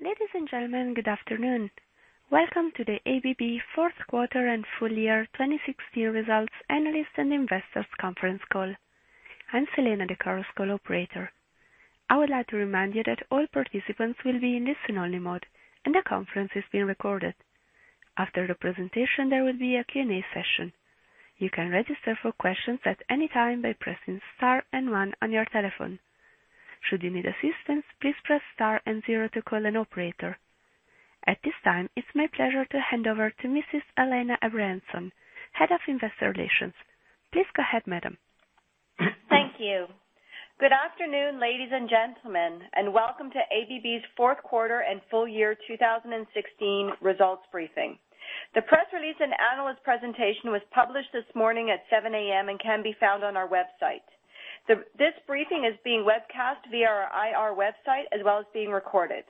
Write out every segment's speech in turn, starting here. Ladies and gentlemen, good afternoon. Welcome to the ABB fourth quarter and full year 2016 results analyst and investors conference call. I'm Selena, the call operator. I would like to remind you that all participants will be in listen-only mode, and the conference is being recorded. After the presentation, there will be a Q&A session. You can register for questions at any time by pressing star and one on your telephone. Should you need assistance, please press star and zero to call an operator. At this time, it's my pleasure to hand over to Mrs. Alanna Abrahamson, Head of Investor Relations. Please go ahead, madam. Thank you. Good afternoon, ladies and gentlemen, and welcome to ABB's fourth quarter and full year 2016 results briefing. The press release and analyst presentation was published this morning at 7:00 A.M. and can be found on our website. This briefing is being webcast via our IR website, as well as being recorded.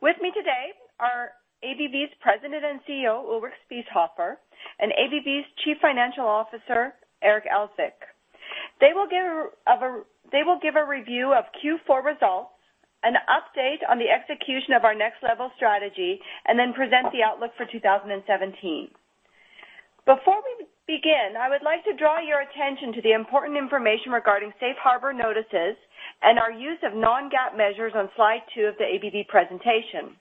With me today are ABB's President and CEO, Ulrich Spiesshofer, and ABB's Chief Financial Officer, Eric Elzvik. They will give a review of Q4 results, an update on the execution of our Next Level strategy, and then present the outlook for 2017. Before we begin, I would like to draw your attention to the important information regarding safe harbor notices and our use of non-GAAP measures on slide two of the ABB presentation.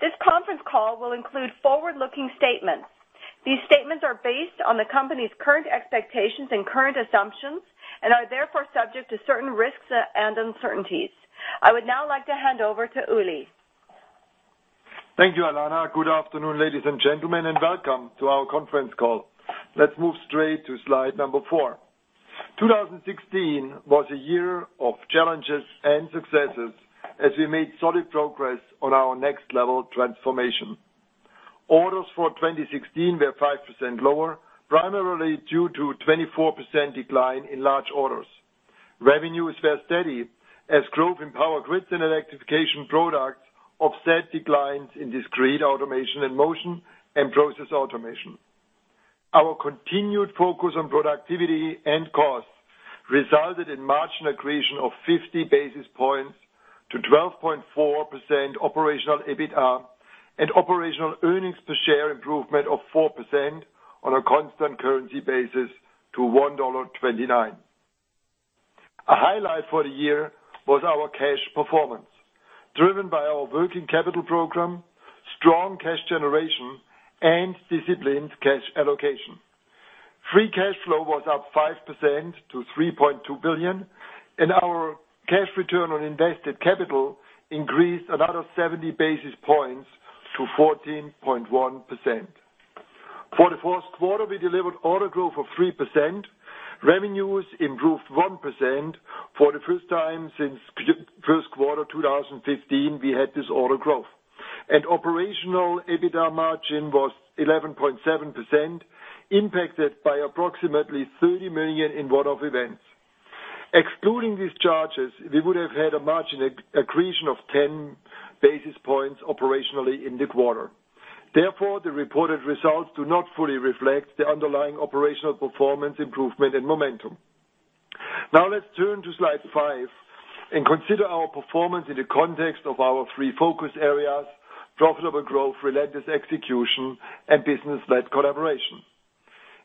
This conference call will include forward-looking statements. These statements are based on the company's current expectations and current assumptions and are therefore subject to certain risks and uncertainties. I would now like to hand over to Uli. Thank you, Alanna. Good afternoon, ladies and gentlemen, and welcome to our conference call. Let's move straight to slide number four. 2016 was a year of challenges and successes as we made solid progress on our Next Level transformation. Orders for 2016 were 5% lower, primarily due to a 24% decline in large orders. Revenues were steady as growth in Power Grids and Electrification Products offset declines in Discrete Automation and Motion and Process Automation. Our continued focus on productivity and costs resulted in margin accretion of 50 basis points to 12.4% operational EBITDA and operational earnings per share improvement of 4% on a constant currency basis to $1.29. A highlight for the year was our cash performance, driven by our working capital program, strong cash generation, and disciplined cash allocation. Free cash flow was up 5% to $3.2 billion, our cash return on invested capital increased another 70 basis points to 14.1%. For the fourth quarter, we delivered order growth of 3%. Revenues improved 1%. For the first time since first quarter 2015, we had this order growth. operational EBITDA margin was 11.7%, impacted by approximately $30 million in one-off events. Excluding these charges, we would have had a margin accretion of 10 basis points operationally in the quarter. Therefore, the reported results do not fully reflect the underlying operational performance improvement and momentum. Let's turn to slide five and consider our performance in the context of our three focus areas: profitable growth, relentless execution, and business-led collaboration.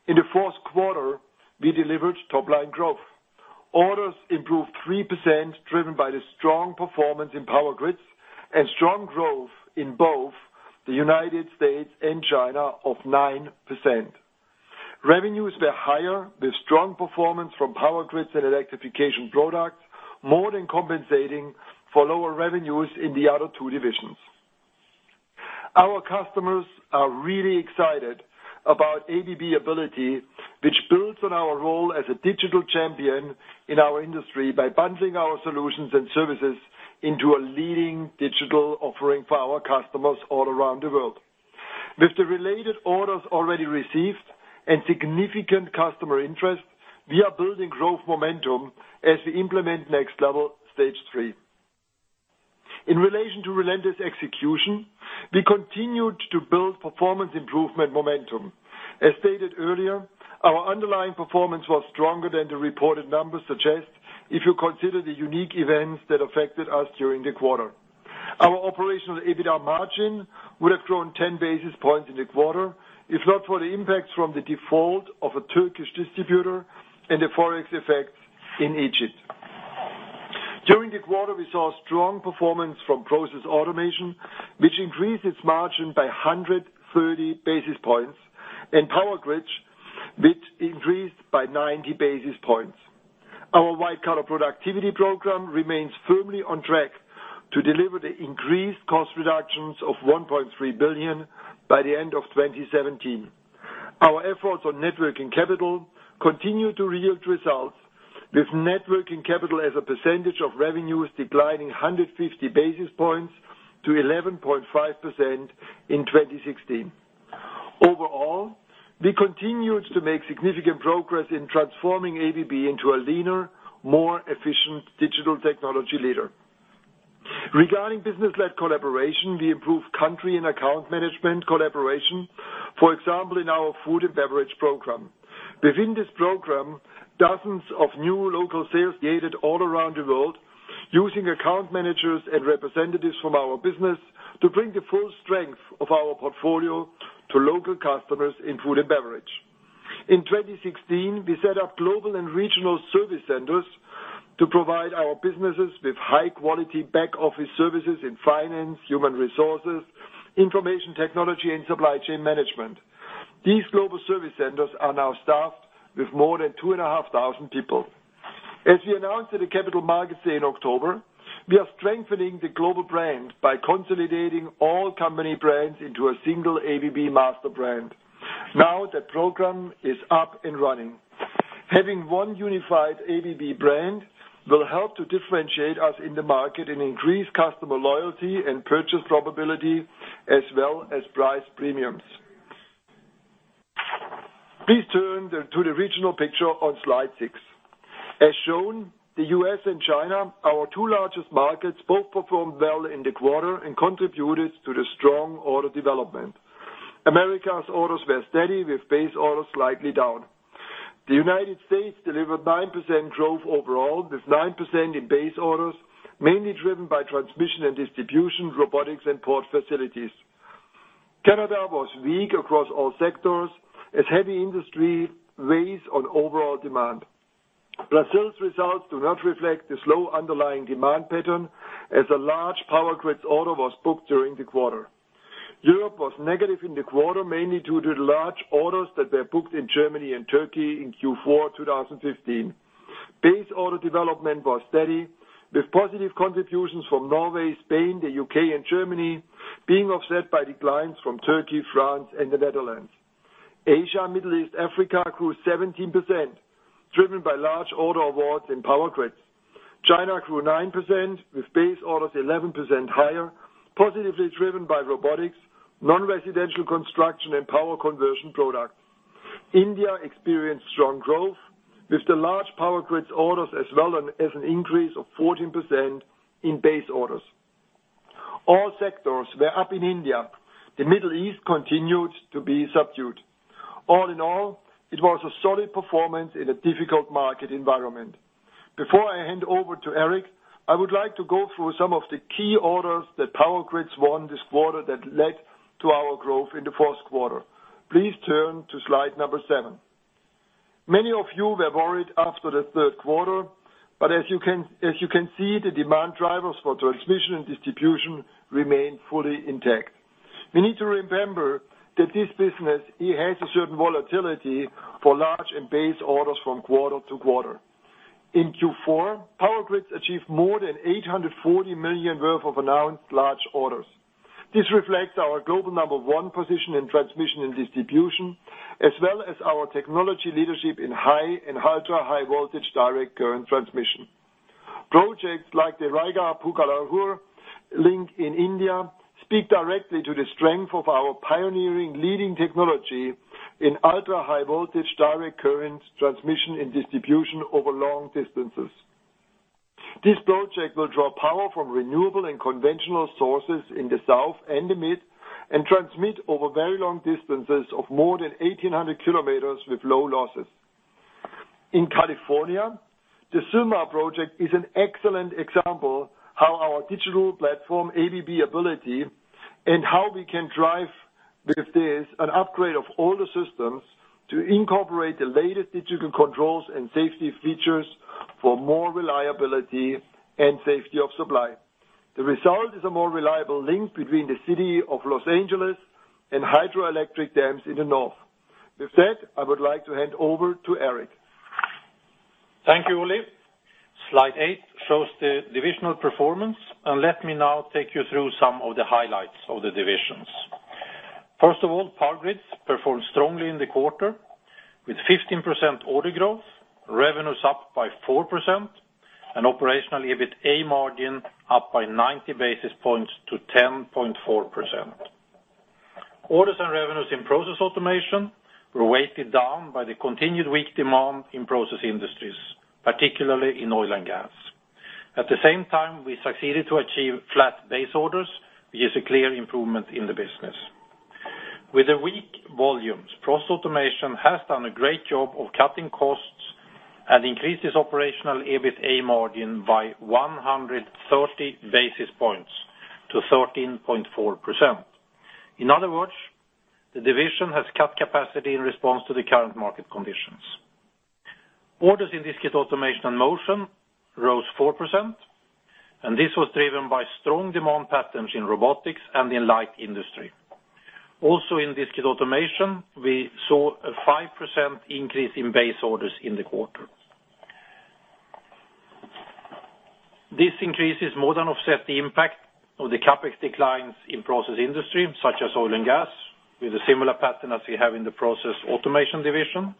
In the fourth quarter, we delivered top-line growth. Orders improved 3%, driven by the strong performance in Power Grids and strong growth in both the U.S. and China of 9%. Revenues were higher with strong performance from Power Grids and Electrification Products, more than compensating for lower revenues in the other two divisions. Our customers are really excited about ABB Ability, which builds on our role as a digital champion in our industry by bundling our solutions and services into a leading digital offering for our customers all around the world. With the related orders already received and significant customer interest, we are building growth momentum as we implement Next Level Stage 3. In relation to relentless execution, we continued to build performance improvement momentum. As stated earlier, our underlying performance was stronger than the reported numbers suggest if you consider the unique events that affected us during the quarter. Our operational EBITDA margin would have grown 10 basis points in the quarter if not for the impacts from the default of a Turkish distributor and the forex effect in Egypt. During the quarter, we saw strong performance from Process Automation, which increased its margin by 130 basis points, and Power Grids, which increased by 90 basis points. Our White Collar Productivity program remains firmly on track to deliver the increased cost reductions of $1.3 billion by the end of 2017. Our efforts on net working capital continue to yield results, with net working capital as a percentage of revenues declining 150 basis points to 11.5% in 2016. We continued to make significant progress in transforming ABB into a leaner, more efficient digital technology leader. Regarding business-led collaboration, we improved country and account management collaboration, for example, in our food and beverage program. Within this program, dozens of new local sales created all around the world, using account managers and representatives from our business to bring the full strength of our portfolio to local customers in food and beverage. In 2016, we set up global and regional service centers to provide our businesses with high-quality back-office services in finance, human resources, information technology, and supply chain management. These global service centers are now staffed with more than 2,500 people. As we announced at the Capital Markets Day in October, we are strengthening the global brand by consolidating all company brands into a single ABB master brand. That program is up and running. Having one unified ABB brand will help to differentiate us in the market and increase customer loyalty and purchase probability, as well as price premiums. Please turn to the regional picture on slide six. As shown, the U.S. and China, our two largest markets, both performed well in the quarter and contributed to the strong order development. America's orders were steady, with base orders slightly down. The United States delivered 9% growth overall, with 9% in base orders, mainly driven by transmission and distribution, robotics, and port facilities. Canada was weak across all sectors, as heavy industry weighs on overall demand. Brazil's results do not reflect the slow underlying demand pattern, as a large Power Grids order was booked during the quarter. Europe was negative in the quarter, mainly due to large orders that were booked in Germany and Turkey in Q4 2015. Base order development was steady, with positive contributions from Norway, Spain, the U.K., and Germany being offset by declines from Turkey, France, and the Netherlands. Asia, Middle East, Africa grew 17%, driven by large order awards in Power Grids. China grew 9%, with base orders 11% higher, positively driven by robotics, non-residential construction, and power conversion products. India experienced strong growth, with the large Power Grids orders, as well as an increase of 14% in base orders. All sectors were up in India. The Middle East continued to be subdued. All in all, it was a solid performance in a difficult market environment. Before I hand over to Eric, I would like to go through some of the key orders that Power Grids won this quarter that led to our growth in the fourth quarter. Please turn to slide number seven. Many of you were worried after the third quarter, but as you can see, the demand drivers for transmission and distribution remain fully intact. We need to remember that this business, it has a certain volatility for large and base orders from quarter to quarter. In Q4, Power Grids achieved more than 840 million worth of announced large orders. This reflects our global number one position in transmission and distribution, as well as our technology leadership in high and ultra-high voltage direct current transmission. Projects like the Raigarh-Pugalur link in India speak directly to the strength of our pioneering leading technology in ultra-high voltage direct current transmission and distribution over long distances. This project will draw power from renewable and conventional sources in the south and the mid, and transmit over very long distances of more than 1,800 kilometers with low losses. In California, the Sylmar project is an excellent example how our digital platform, ABB Ability, and how we can drive with this an upgrade of older systems to incorporate the latest digital controls and safety features for more reliability and safety of supply. The result is a more reliable link between the city of Los Angeles and hydroelectric dams in the north. With that, I would like to hand over to Eric. Thank you, Ulrich. Slide eight shows the divisional performance. Let me now take you through some of the highlights of the divisions. First of all, Power Grids performed strongly in the quarter, with 15% order growth, revenues up by 4%, and Operational EBITA margin up by 90 basis points to 10.4%. Orders and revenues in Process Automation were weighted down by the continued weak demand in process industries, particularly in oil and gas. At the same time, we succeeded to achieve flat base orders, which is a clear improvement in the business. With the weak volumes, Process Automation has done a great job of cutting costs and increased its Operational EBITA margin by 130 basis points to 13.4%. In other words, the division has cut capacity in response to the current market conditions. Orders in Discrete Automation and Motion rose 4%, and this was driven by strong demand patterns in robotics and in light industry. Also in Discrete Automation, we saw a 5% increase in base orders in the quarter. This increase has more than offset the impact of the CapEx declines in process industry, such as oil and gas, with a similar pattern as we have in the Process Automation division.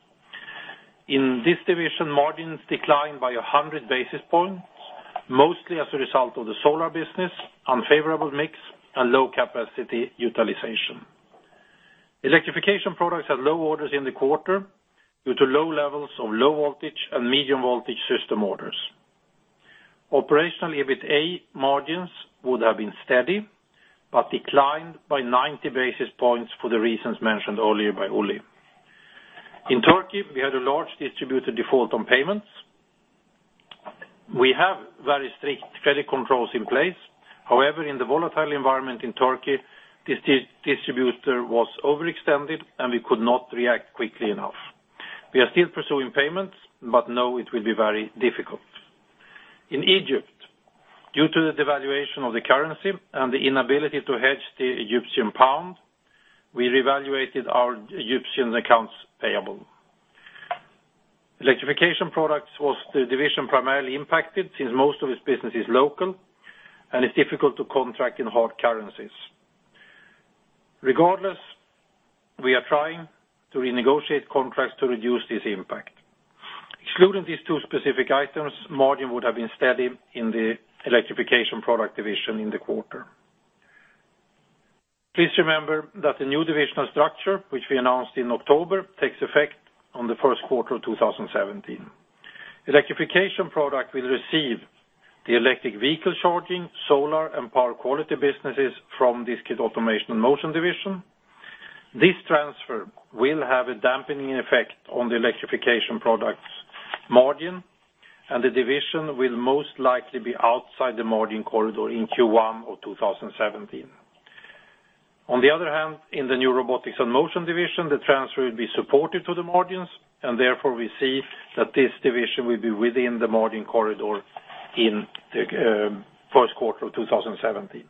In this division, margins declined by 100 basis points, mostly as a result of the solar business, unfavorable mix, and low capacity utilization. Electrification Products had low orders in the quarter due to low levels of low voltage and medium voltage system orders. Operationally, EBITA margins would have been steady, but declined by 90 basis points for the reasons mentioned earlier by Uli. In Turkey, we had a large distributor default on payments. We have very strict credit controls in place. However, in the volatile environment in Turkey, this distributor was overextended, and we could not react quickly enough. We are still pursuing payments, but know it will be very difficult. In Egypt, due to the devaluation of the currency and the inability to hedge the Egyptian pound, we reevaluated our Egyptian accounts payable. Electrification Products was the division primarily impacted, since most of its business is local, and it's difficult to contract in hard currencies. Regardless, we are trying to renegotiate contracts to reduce this impact. Excluding these two specific items, margin would have been steady in the Electrification Products division in the quarter. Please remember that the new divisional structure, which we announced in October, takes effect on the first quarter of 2017. Electrification Products will receive the electric vehicle charging, solar, and power quality businesses from Discrete Automation and Motion division. This transfer will have a dampening effect on the Electrification Products margin, and the division will most likely be outside the margin corridor in Q1 of 2017. On the other hand, in the new Robotics and Motion division, the transfer will be supportive to the margins, and therefore, we see that this division will be within the margin corridor in the first quarter of 2017.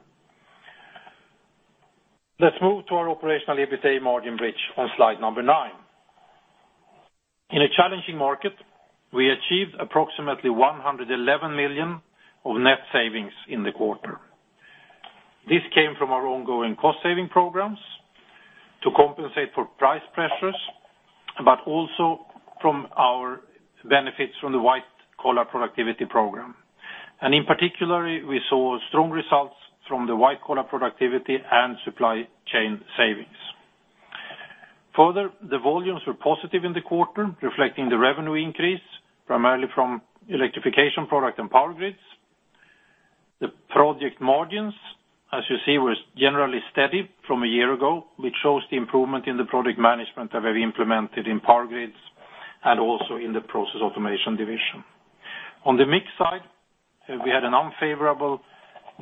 Let's move to our Operational EBITA margin bridge on slide number nine. In a challenging market, we achieved approximately $111 million of net savings in the quarter. This came from our ongoing cost-saving programs to compensate for price pressures, but also from our benefits from the White Collar Productivity program. In particular, we saw strong results from the White Collar Productivity and supply chain savings. The volumes were positive in the quarter, reflecting the revenue increase, primarily from Electrification Products and Power Grids. The project margins, as you see, was generally steady from a year ago, which shows the improvement in the project management that we've implemented in Power Grids and also in the Process Automation division. On the mix side, we had an unfavorable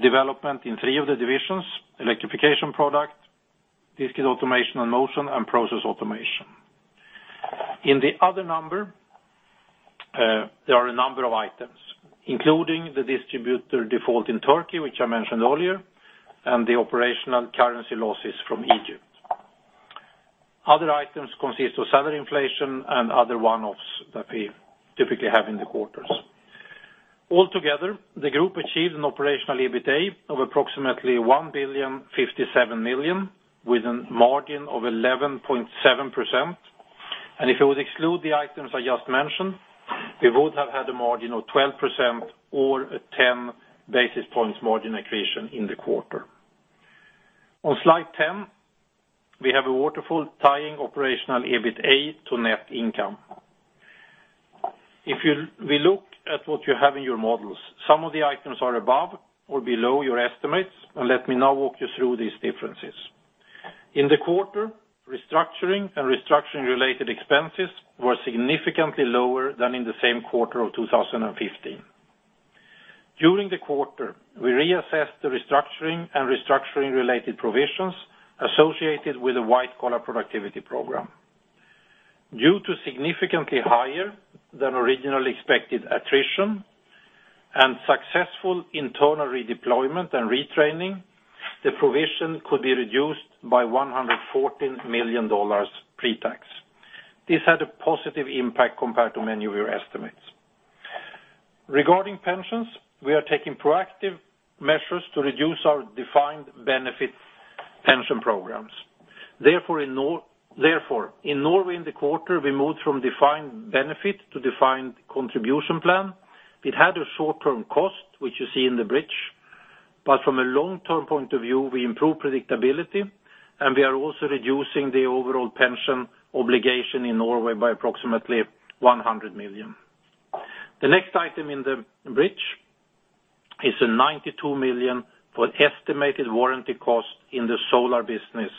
development in three of the divisions, Electrification Products, Discrete Automation and Motion, and Process Automation. In the other number, there are a number of items, including the distributor default in Turkey, which I mentioned earlier, and the operational currency losses from Egypt. Other items consist of salary inflation and other one-offs that we typically have in the quarters. Altogether, the group achieved an Operational EBITA of approximately $1,057 million, with a margin of 11.7%. If it would exclude the items I just mentioned, we would have had a margin of 12% or a 10 basis points margin accretion in the quarter. On slide 10, we have a waterfall tying Operational EBITA to net income. If we look at what you have in your models, some of the items are above or below your estimates, and let me now walk you through these differences. In the quarter, restructuring and restructuring-related expenses were significantly lower than in the same quarter of 2015. During the quarter, we reassessed the restructuring and restructuring-related provisions associated with the White Collar Productivity program. Due to significantly higher than originally expected attrition and successful internal redeployment and retraining, the provision could be reduced by $114 million pre-tax. This had a positive impact compared to many of your estimates. Regarding pensions, we are taking proactive measures to reduce our defined benefits pension programs. Therefore, in Norway in the quarter, we moved from defined benefit to defined contribution plan. It had a short-term cost, which you see in the bridge. From a long-term point of view, we improved predictability, and we are also reducing the overall pension obligation in Norway by approximately $100 million. The next item in the bridge is a $92 million for estimated warranty cost in the solar business,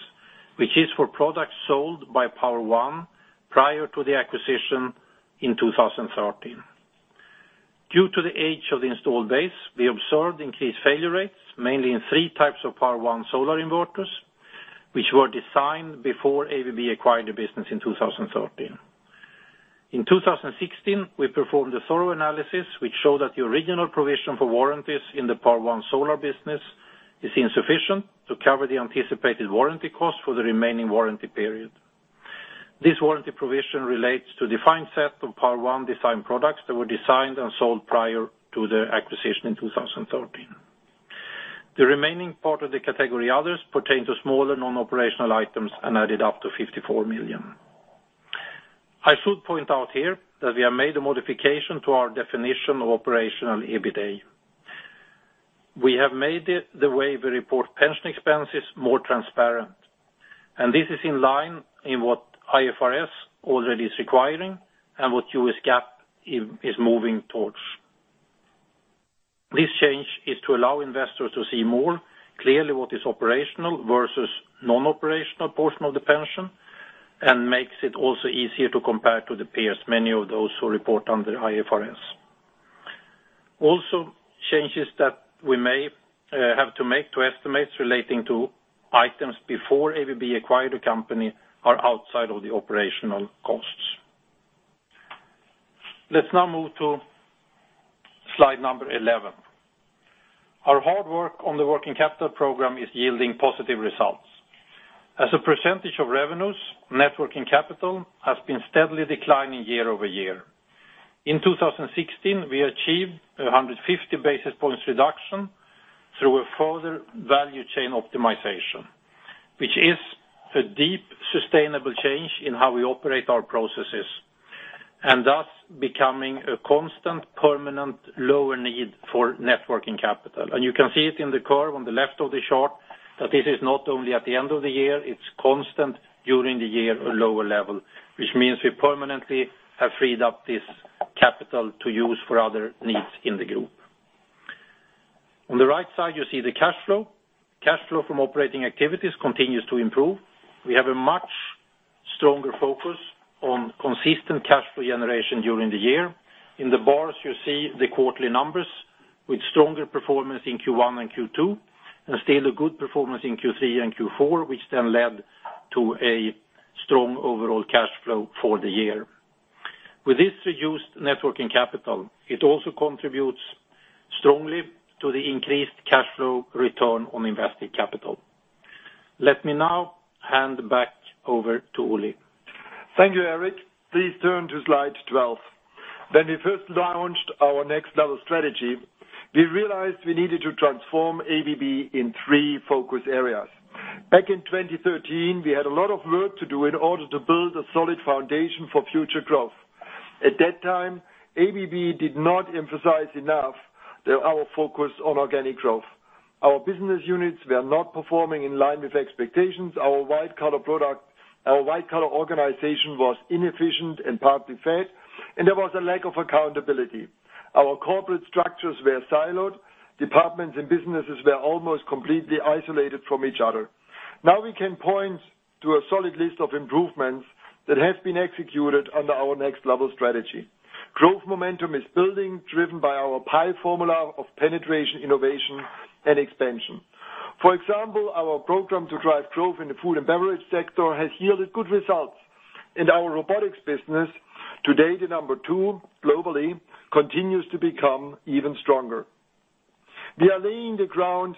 which is for products sold by Power-One prior to the acquisition in 2013. Due to the age of the installed base, we observed increased failure rates, mainly in 3 types of Power-One solar inverters, which were designed before ABB acquired the business in 2013. In 2016, we performed a thorough analysis which showed that the original provision for warranties in the Power-One solar business is insufficient to cover the anticipated warranty costs for the remaining warranty period. This warranty provision relates to defined set of Power-One design products that were designed and sold prior to the acquisition in 2013. The remaining part of the category others pertain to smaller non-operational items and added up to $54 million. I should point out here that we have made a modification to our definition of Operational EBITA. We have made the way we report pension expenses more transparent. This is in line in what IFRS already is requiring and what U.S. GAAP is moving towards. This change is to allow investors to see more clearly what is operational versus non-operational portion of the pension, and makes it also easier to compare to the peers, many of those who report under IFRS. Also, changes that we may have to make to estimates relating to items before ABB acquired the company are outside of the operational costs. Let's now move to slide number 11. Our hard work on the working capital program is yielding positive results. As a percentage of revenues, net working capital has been steadily declining year-over-year. In 2016, we achieved 150 basis points reduction through a further value chain optimization, which is a deep sustainable change in how we operate our processes, and thus becoming a constant permanent lower need for net working capital. You can see it in the curve on the left of the chart that this is not only at the end of the year, it's constant during the year a lower level, which means we permanently have freed up this capital to use for other needs in the group. On the right side, you see the cash flow. Cash flow from operating activities continues to improve. We have a much stronger focus on consistent cash flow generation during the year. In the bars, you see the quarterly numbers with stronger performance in Q1 and Q2, and still a good performance in Q3 and Q4, which then led to a strong overall cash flow for the year. With this reduced net working capital, it also contributes strongly to the increased cash flow return on invested capital. Let me now hand back over to Uli. Thank you, Eric. Please turn to slide 12. When we first launched our Next Level strategy, we realized we needed to transform ABB in three focus areas. Back in 2013, we had a lot of work to do in order to build a solid foundation for future growth. At that time, ABB did not emphasize enough our focus on organic growth. Our business units were not performing in line with expectations. Our white-collar organization was inefficient and partly fat, and there was a lack of accountability. Our corporate structures were siloed. Departments and businesses were almost completely isolated from each other. Now we can point to a solid list of improvements that have been executed under our Next Level strategy. Growth momentum is building, driven by our PIE formula of penetration, innovation, and expansion. For example, our program to drive growth in the food and beverage sector has yielded good results. Our robotics business, today the number 2 globally, continues to become even stronger. We are laying the ground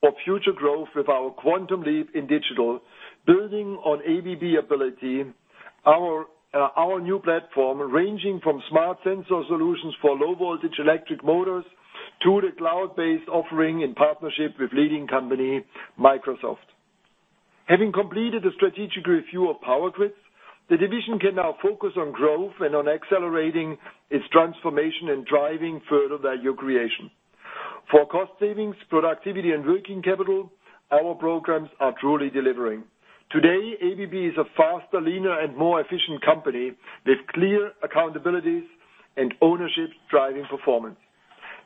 for future growth with our quantum leap in digital, building on ABB Ability, our new platform, ranging from smart sensor solutions for low-voltage electric motors to the cloud-based offering in partnership with leading company Microsoft. Having completed a strategic review of Power Grids, the division can now focus on growth and on accelerating its transformation and driving further value creation. For cost savings, productivity, and working capital, our programs are truly delivering. Today, ABB is a faster, leaner, and more efficient company with clear accountabilities and ownership driving performance.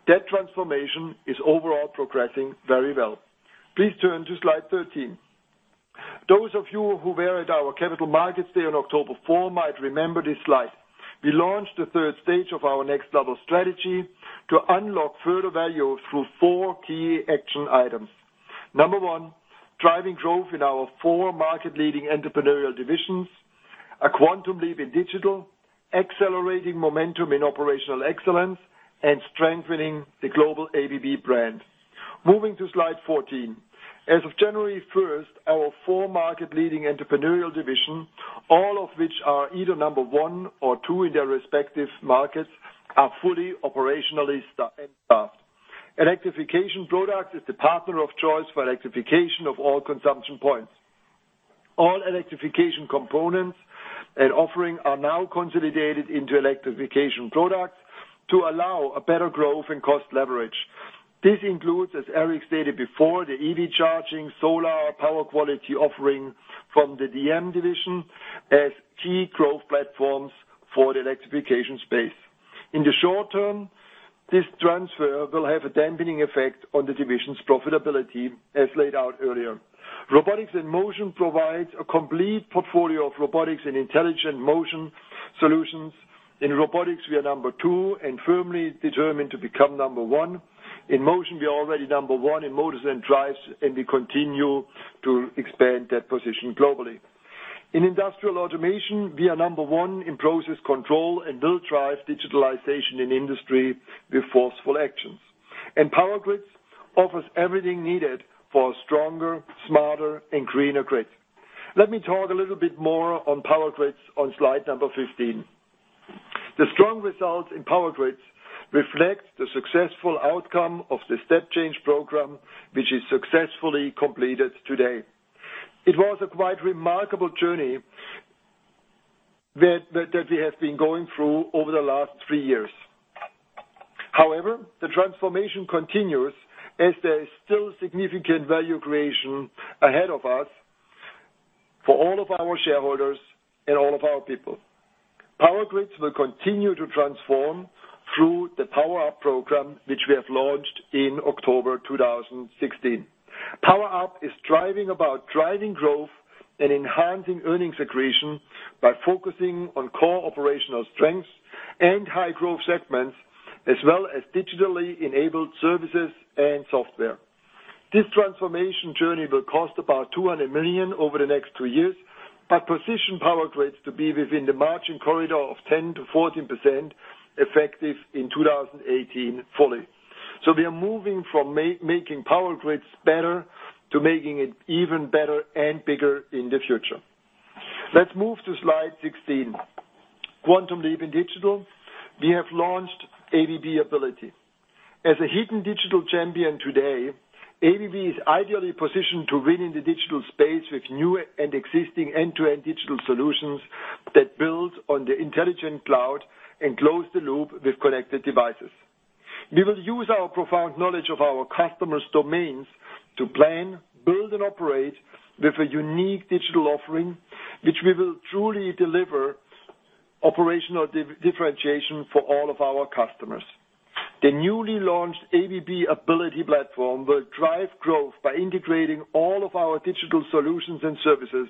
That transformation is overall progressing very well. Please turn to slide 13. Those of you who were at our Capital Markets Day on October 4 might remember this slide. We launched the third stage of our Next Level strategy to unlock further value through four key action items. Number one, driving growth in our four market-leading entrepreneurial divisions, a quantum leap in digital, accelerating momentum in operational excellence, and strengthening the global ABB brand. Moving to slide 14. As of January 1st, our four market-leading entrepreneurial division, all of which are either number 1 or 2 in their respective markets, are fully operationally and staffed. Electrification Products is the partner of choice for electrification of all consumption points. All electrification components and offering are now consolidated into Electrification Products to allow a better growth and cost leverage. This includes, as Eric stated before, the EV charging, solar, power quality offering from the DM division as key growth platforms for the electrification space. In the short term, this transfer will have a dampening effect on the division's profitability, as laid out earlier. Robotics and Motion provides a complete portfolio of robotics and intelligent motion solutions. In robotics, we are number 2 and firmly determined to become number 1. In motion, we are already number 1 in motors and drives, and we continue to expand that position globally. In Industrial Automation, we are number 1 in process control and will drive digitalization in industry with forceful actions. Power Grids offers everything needed for a stronger, smarter, and greener grid. Let me talk a little bit more on Power Grids on slide number 15. The strong results in Power Grids reflect the successful outcome of the Step Change program, which is successfully completed today. It was a quite remarkable journey that we have been going through over the last three years. The transformation continues as there is still significant value creation ahead of us for all of our shareholders and all of our people. Power Grids will continue to transform through the Power Up program, which we have launched in October 2016. Power Up is driving growth and enhancing earnings accretion by focusing on core operational strengths and high-growth segments, as well as digitally enabled services and software. This transformation journey will cost about $200 million over the next two years, but position Power Grids to be within the margin corridor of 10%-14%, effective in 2018 fully. We are moving from making Power Grids better to making it even better and bigger in the future. Let's move to slide 16. Quantum leap in digital. We have launched ABB Ability. As a hidden digital champion today, ABB is ideally positioned to win in the digital space with new and existing end-to-end digital solutions that build on the intelligent cloud and close the loop with connected devices. We will use our profound knowledge of our customers' domains to plan, build, and operate with a unique digital offering, which we will truly deliver operational differentiation for all of our customers. The newly launched ABB Ability platform will drive growth by integrating all of our digital solutions and services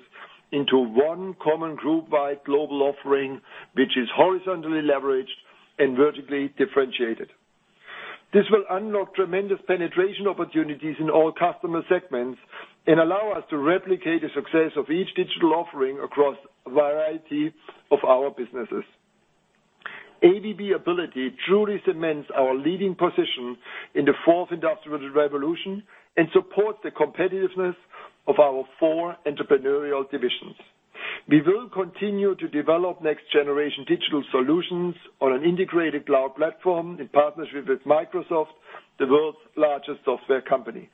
into one common groupwide global offering, which is horizontally leveraged and vertically differentiated. This will unlock tremendous penetration opportunities in all customer segments and allow us to replicate the success of each digital offering across a variety of our businesses. ABB Ability truly cements our leading position in the fourth industrial revolution and supports the competitiveness of our four entrepreneurial divisions. We will continue to develop next-generation digital solutions on an integrated cloud platform in partnership with Microsoft, the world's largest software company.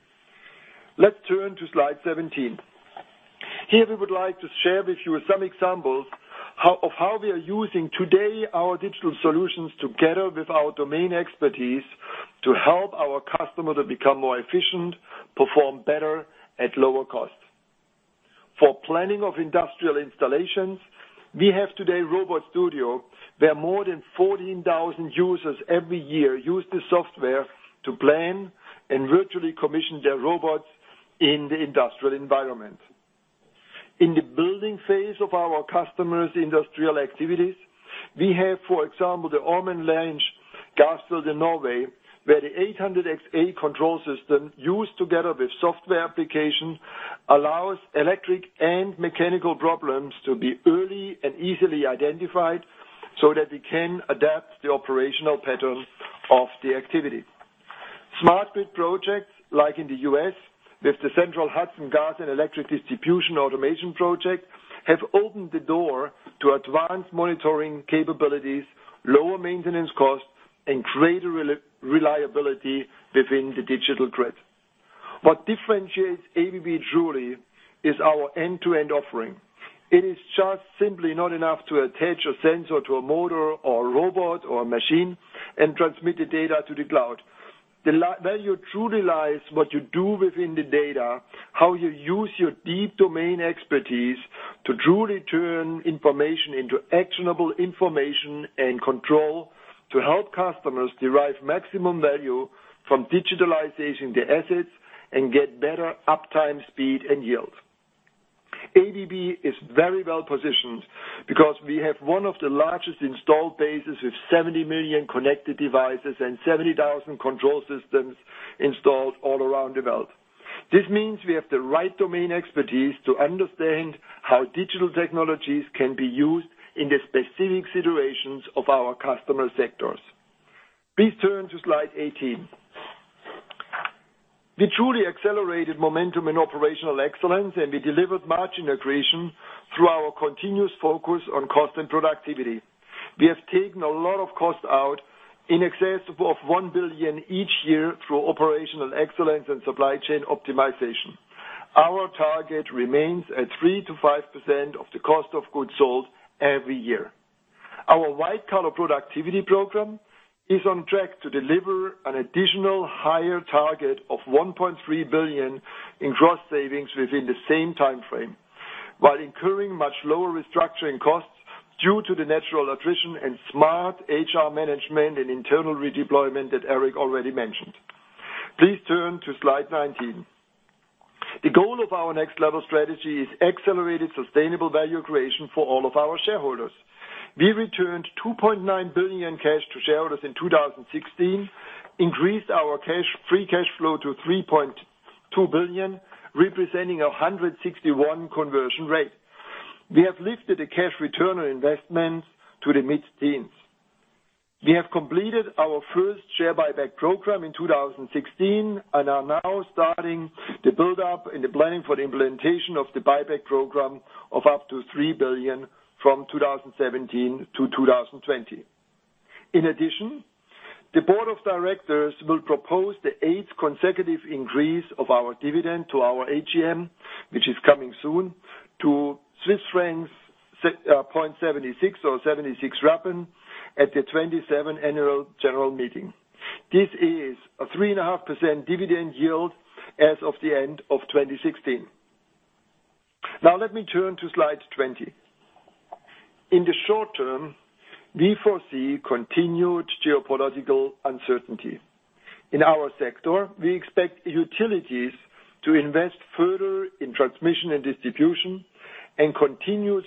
Let's turn to slide 17. Here we would like to share with you some examples of how we are using today our digital solutions together with our domain expertise to help our customer to become more efficient, perform better at lower cost. For planning of industrial installations, we have today RobotStudio, where more than 14,000 users every year use this software to plan and virtually commission their robots in the industrial environment. In the building phase of our customers' industrial activities, we have, for example, the Ormen Lange gas field in Norway, where the System 800xA control system, used together with software application, allows electric and mechanical problems to be early and easily identified so that we can adapt the operational pattern of the activity. Smart grid projects, like in the U.S., with the Central Hudson Gas & Electric Distribution automation project, have opened the door to advanced monitoring capabilities, lower maintenance costs, and greater reliability within the digital grid. What differentiates ABB truly is our end-to-end offering. It is just simply not enough to attach a sensor to a motor or a robot or a machine and transmit the data to the cloud. The value truly lies what you do within the data, how you use your deep domain expertise to truly turn information into actionable information and control to help customers derive maximum value from digitalization of their assets and get better uptime speed and yield. ABB is very well-positioned because we have one of the largest installed bases with 70 million connected devices and 70,000 control systems installed all around the world. This means we have the right domain expertise to understand how digital technologies can be used in the specific situations of our customer sectors. Please turn to slide 18. We truly accelerated momentum in operational excellence, and we delivered margin accretion through our continuous focus on cost and productivity. We have taken a lot of cost out, in excess of $1 billion each year through operational excellence and supply chain optimization. Our target remains at 3%-5% of the cost of goods sold every year. Our White Collar Productivity program is on track to deliver an additional higher target of $1.3 billion in gross savings within the same time frame, while incurring much lower restructuring costs due to the natural attrition and smart HR management and internal redeployment that Eric already mentioned. Please turn to slide 19. The goal of our Next Level strategy is accelerated sustainable value creation for all of our shareholders. We returned $2.9 billion cash to shareholders in 2016, increased our free cash flow to $3.2 billion, representing 161 conversion rate. We have lifted the cash return on investments to the mid-teens. We have completed our first share buyback program in 2016 and are now starting the build-up and the planning for the implementation of the buyback program of up to $3 billion from 2017 to 2020. The board of directors will propose the eighth consecutive increase of our dividend to our AGM, which is coming soon, to Swiss francs 0.76 or 76 rappen at the 27th Annual General Meeting. This is a 3.5% dividend yield as of the end of 2016. Now let me turn to slide 20. In the short term, we foresee continued geopolitical uncertainty. In our sector, we expect utilities to invest further in transmission and distribution and continued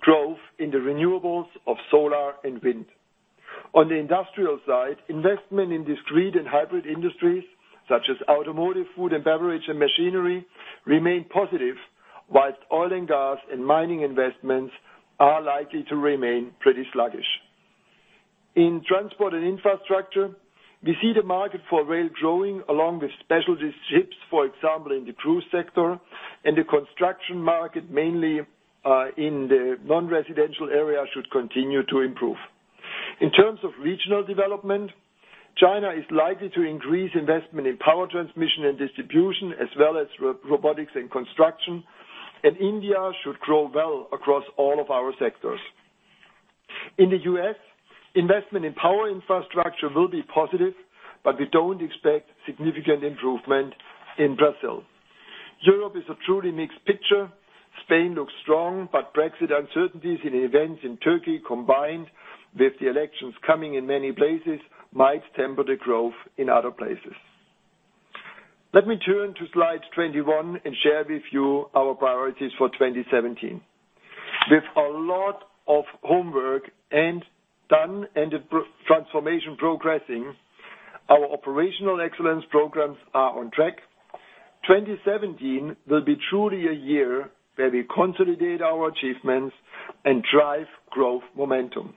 growth in the renewables of solar and wind. On the industrial side, investment in discrete and hybrid industries such as automotive, food and beverage, and machinery remain positive, whilst oil and gas and mining investments are likely to remain pretty sluggish. In transport and infrastructure, we see the market for rail growing, along with specialty ships, for example, in the cruise sector, and the construction market, mainly in the non-residential area, should continue to improve. In terms of regional development, China is likely to increase investment in power transmission and distribution, as well as robotics and construction, and India should grow well across all of our sectors. In the U.S., investment in power infrastructure will be positive, but we don't expect significant improvement in Brazil. Europe is a truly mixed picture. Spain looks strong, Brexit uncertainties and events in Turkey, combined with the elections coming in many places, might temper the growth in other places. Let me turn to slide 21 and share with you our priorities for 2017. With a lot of homework done and the transformation progressing, our operational excellence programs are on track. 2017 will be truly a year where we consolidate our achievements and drive growth momentum.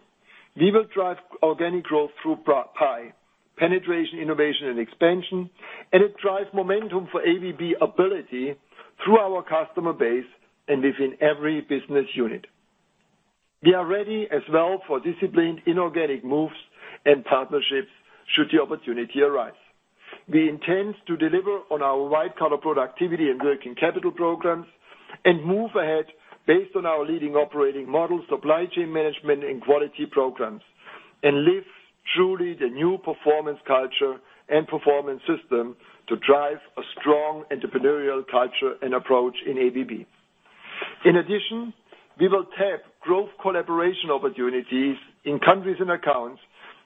We will drive organic growth through PIE, penetration, innovation, and expansion, and it drives momentum for ABB Ability through our customer base and within every business unit. We are ready as well for disciplined inorganic moves and partnerships should the opportunity arise. We intend to deliver on our White Collar Productivity and working capital programs and move ahead based on our leading operating models, supply chain management, and quality programs, and live truly the new performance culture and performance system to drive a strong entrepreneurial culture and approach in ABB. In addition, we will tap growth collaboration opportunities in countries and accounts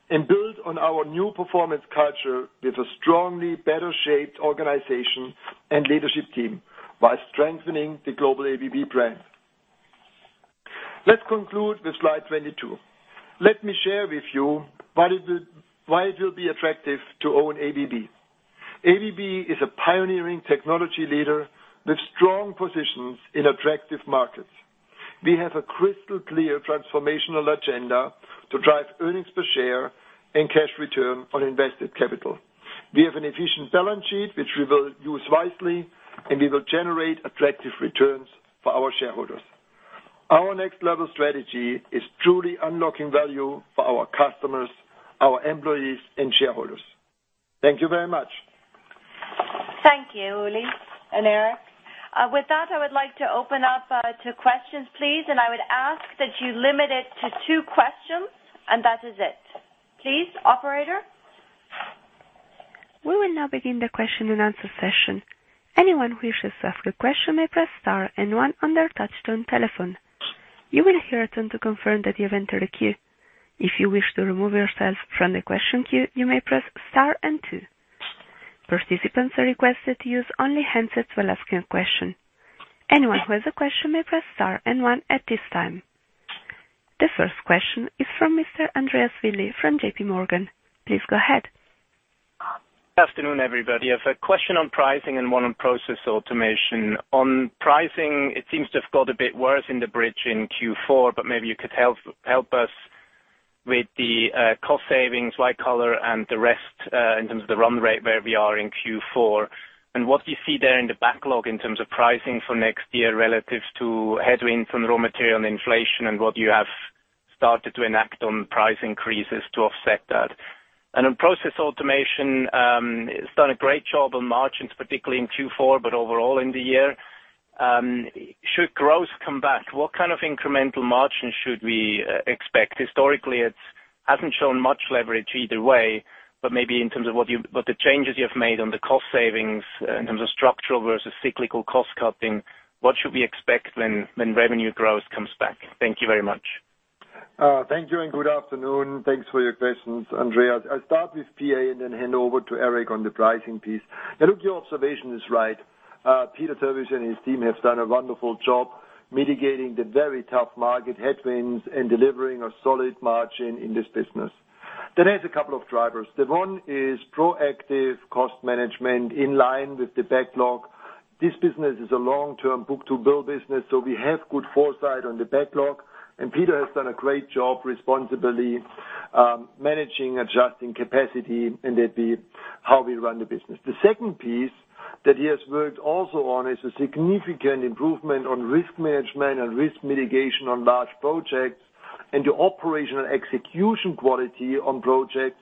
and build on our new performance culture with a strongly better-shaped organization and leadership team while strengthening the global ABB brand. Let's conclude with slide 22. Let me share with you why it will be attractive to own ABB. ABB is a pioneering technology leader with strong positions in attractive markets. We have a crystal-clear transformational agenda to drive earnings per share and cash return on invested capital. We have an efficient balance sheet, which we will use wisely, and we will generate attractive returns for our shareholders. Our Next Level strategy is truly unlocking value for our customers, our employees, and shareholders. Thank you very much. Thank you, Uli and Eric. With that, I would like to open up to questions, please, and I would ask that you limit it to two questions, and that is it. Please, operator? We will now begin the question-and-answer session. Anyone who wishes to ask a question may press star and one on their touch-tone telephone. You will hear a tone to confirm that you have entered the queue. If you wish to remove yourself from the question queue, you may press star and two. Participants are requested to use only handsets while asking a question. Anyone who has a question may press star and one at this time. The first question is from Mr. Andreas Willi from JPMorgan. Please go ahead. Afternoon, everybody. I have a question on pricing and one on Process Automation. On pricing, it seems to have got a bit worse in the bridge in Q4, but maybe you could help us with the cost savings, White Collar, and the rest, in terms of the run rate where we are in Q4. What do you see there in the backlog in terms of pricing for next year relative to headwinds from raw material and inflation, and what you have started to enact on price increases to offset that? On Process Automation, it's done a great job on margins, particularly in Q4, but overall in the year. Should growth come back, what kind of incremental margin should we expect? Historically, it hasn't shown much leverage either way, but maybe in terms of the changes you have made on the cost savings, in terms of structural versus cyclical cost-cutting, what should we expect when revenue growth comes back? Thank you very much. Thank you, and good afternoon. Thanks for your questions, Andreas. I'll start with Process Automation and then hand over to Eric on the pricing piece. Your observation is right. Peter Terwiesch and his team have done a wonderful job mitigating the very tough market headwinds and delivering a solid margin in this business. There's a couple of drivers. One is proactive cost management in line with the backlog. This business is a long-term book-to-bill business, we have good foresight on the backlog, and Peter Terwiesch has done a great job responsibly managing, adjusting capacity, and that's how we run the business. The second piece that he has worked also on is a significant improvement on risk management and risk mitigation on large projects, and the operational execution quality on projects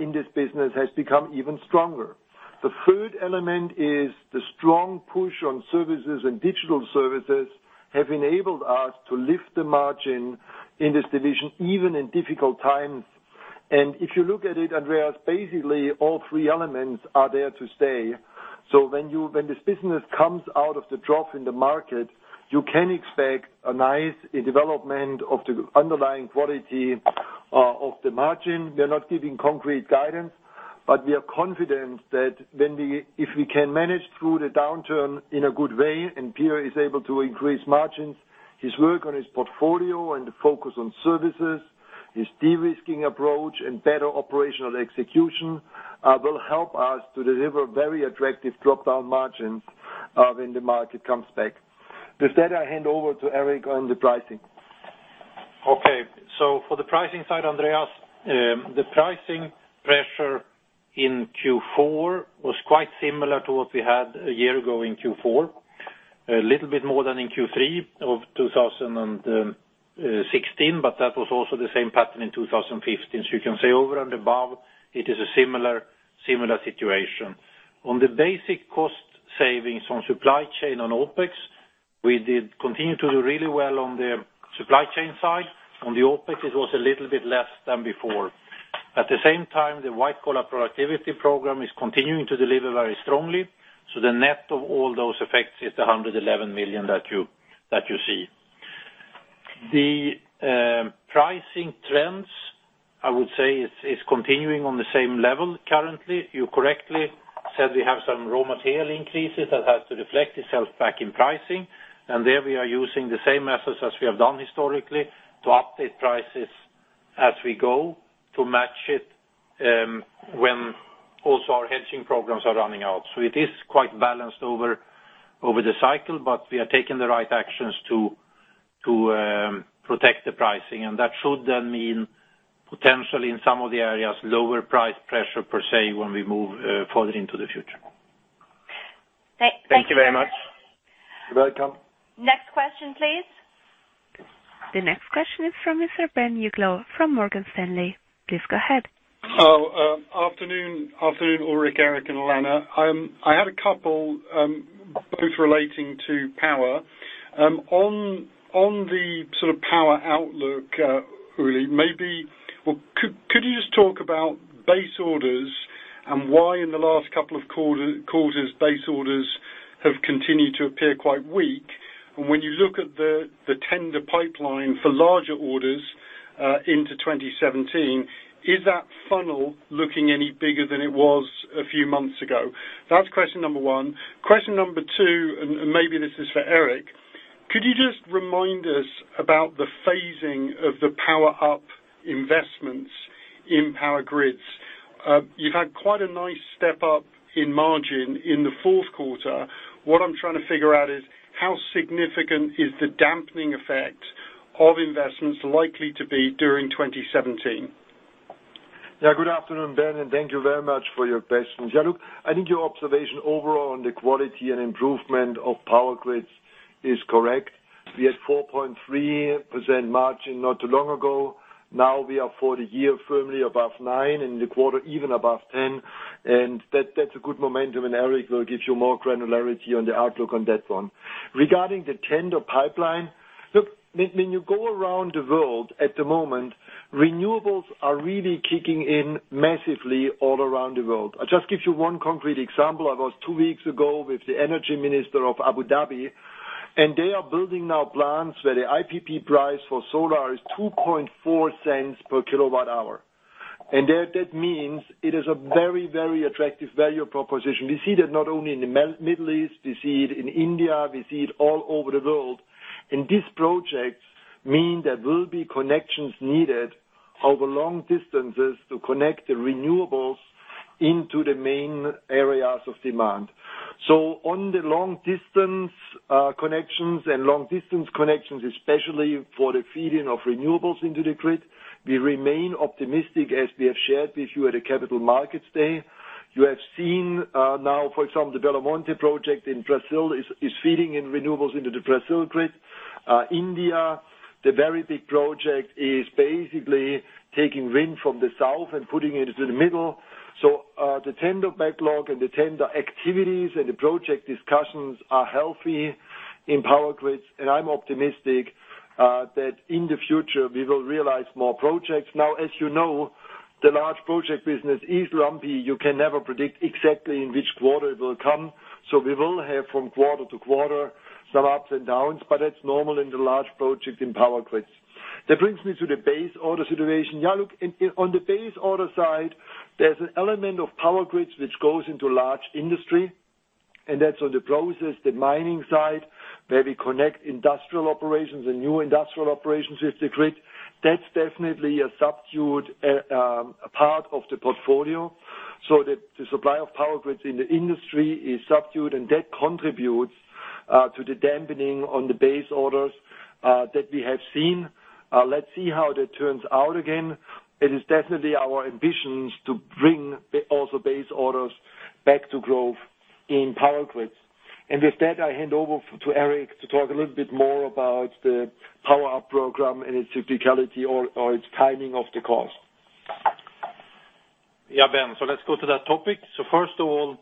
in this business has become even stronger. The third element is the strong push on services and digital services have enabled us to lift the margin in this division, even in difficult times. If you look at it, Andreas, basically all three elements are there to stay. When this business comes out of the drop in the market, you can expect a nice development of the underlying quality of the margin. We are not giving concrete guidance, we are confident that if we can manage through the downturn in a good way and Peter Terwiesch is able to increase margins, his work on his portfolio and the focus on services, his de-risking approach and better operational execution, will help us to deliver very attractive drop-down margins when the market comes back. With that, I hand over to Eric on the pricing. For the pricing side, Andreas, the pricing pressure in Q4 was quite similar to what we had a year ago in Q4. A little bit more than in Q3 of 2016, that was also the same pattern in 2015. You can say over and above, it is a similar situation. On the basic cost savings on supply chain on OpEx, we did continue to do really well on the supply chain side. On the OpEx, it was a little bit less than before. At the same time, the White Collar Productivity program is continuing to deliver very strongly. The net of all those effects is 111 million that you see. The pricing trends, I would say, is continuing on the same level currently. You correctly said we have some raw material increases that has to reflect itself back in pricing, there we are using the same methods as we have done historically to update prices as we go to match it when also our hedging programs are running out. It is quite balanced over the cycle, we are taking the right actions to protect the pricing. That should then mean potentially in some of the areas, lower price pressure per se, when we move further into the future. Thank you very much. You're welcome. Next question, please. The next question is from Mr. Ben Uglow from Morgan Stanley. Please go ahead. Hello. Afternoon, Ulrich, Eric, and Alanna. I had a couple, both relating to power. On the sort of power outlook, Ulrich, could you just talk about base orders and why in the last couple of quarters base orders have continued to appear quite weak? When you look at the tender pipeline for larger orders into 2017, is that funnel looking any bigger than it was a few months ago? That's question number one. Question number two, maybe this is for Eric. Could you just remind us about the phasing of the Power Up investments in Power Grids? You've had quite a nice step up in margin in the fourth quarter. What I'm trying to figure out is how significant is the dampening effect of investments likely to be during 2017? Good afternoon, Ben, and thank you very much for your questions. Look, I think your observation overall on the quality and improvement of Power Grids is correct. We had 4.3% margin not too long ago. Now we are for the year firmly above 9, in the quarter, even above 10. That's a good momentum, Eric will give you more granularity on the outlook on that one. Regarding the tender pipeline. Look, when you go around the world at the moment, renewables are really kicking in massively all around the world. I'll just give you one concrete example. I was two weeks ago with the energy minister of Abu Dhabi, they are building now plants where the IPP price for solar is 0.024 per kilowatt hour. That means it is a very attractive value proposition. We see that not only in the Middle East, we see it in India, we see it all over the world. These projects mean there will be connections needed over long distances to connect the renewables into the main areas of demand. On the long-distance connections, long-distance connections especially for the feeding of renewables into the grid, we remain optimistic, as we have shared with you at the Capital Markets Day. You have seen now, for example, the Belo Monte project in Brazil is feeding in renewables into the Brazil grid. India, the very big project is basically taking wind from the south and putting it into the middle. The tender backlog and the tender activities and the project discussions are healthy in Power Grids, I'm optimistic that in the future we will realize more projects. As you know, the large project business is lumpy. You can never predict exactly in which quarter it will come. We will have from quarter to quarter some ups and downs, but that's normal in the large project in Power Grids. That brings me to the base order situation. Look, on the base order side, there's an element of Power Grids which goes into large industry, and that's on the process, the mining side, where we connect industrial operations and new industrial operations with the grid. That's definitely a subdued part of the portfolio. The supply of Power Grids in the industry is subdued, and that contributes to the dampening on the base orders that we have seen. Let's see how that turns out again. It is definitely our ambitions to bring also base orders back to growth in Power Grids. With that, I hand over to Eric to talk a little bit more about the Power Up program and its criticality or its timing of the cost. Ben, let's go to that topic. First of all,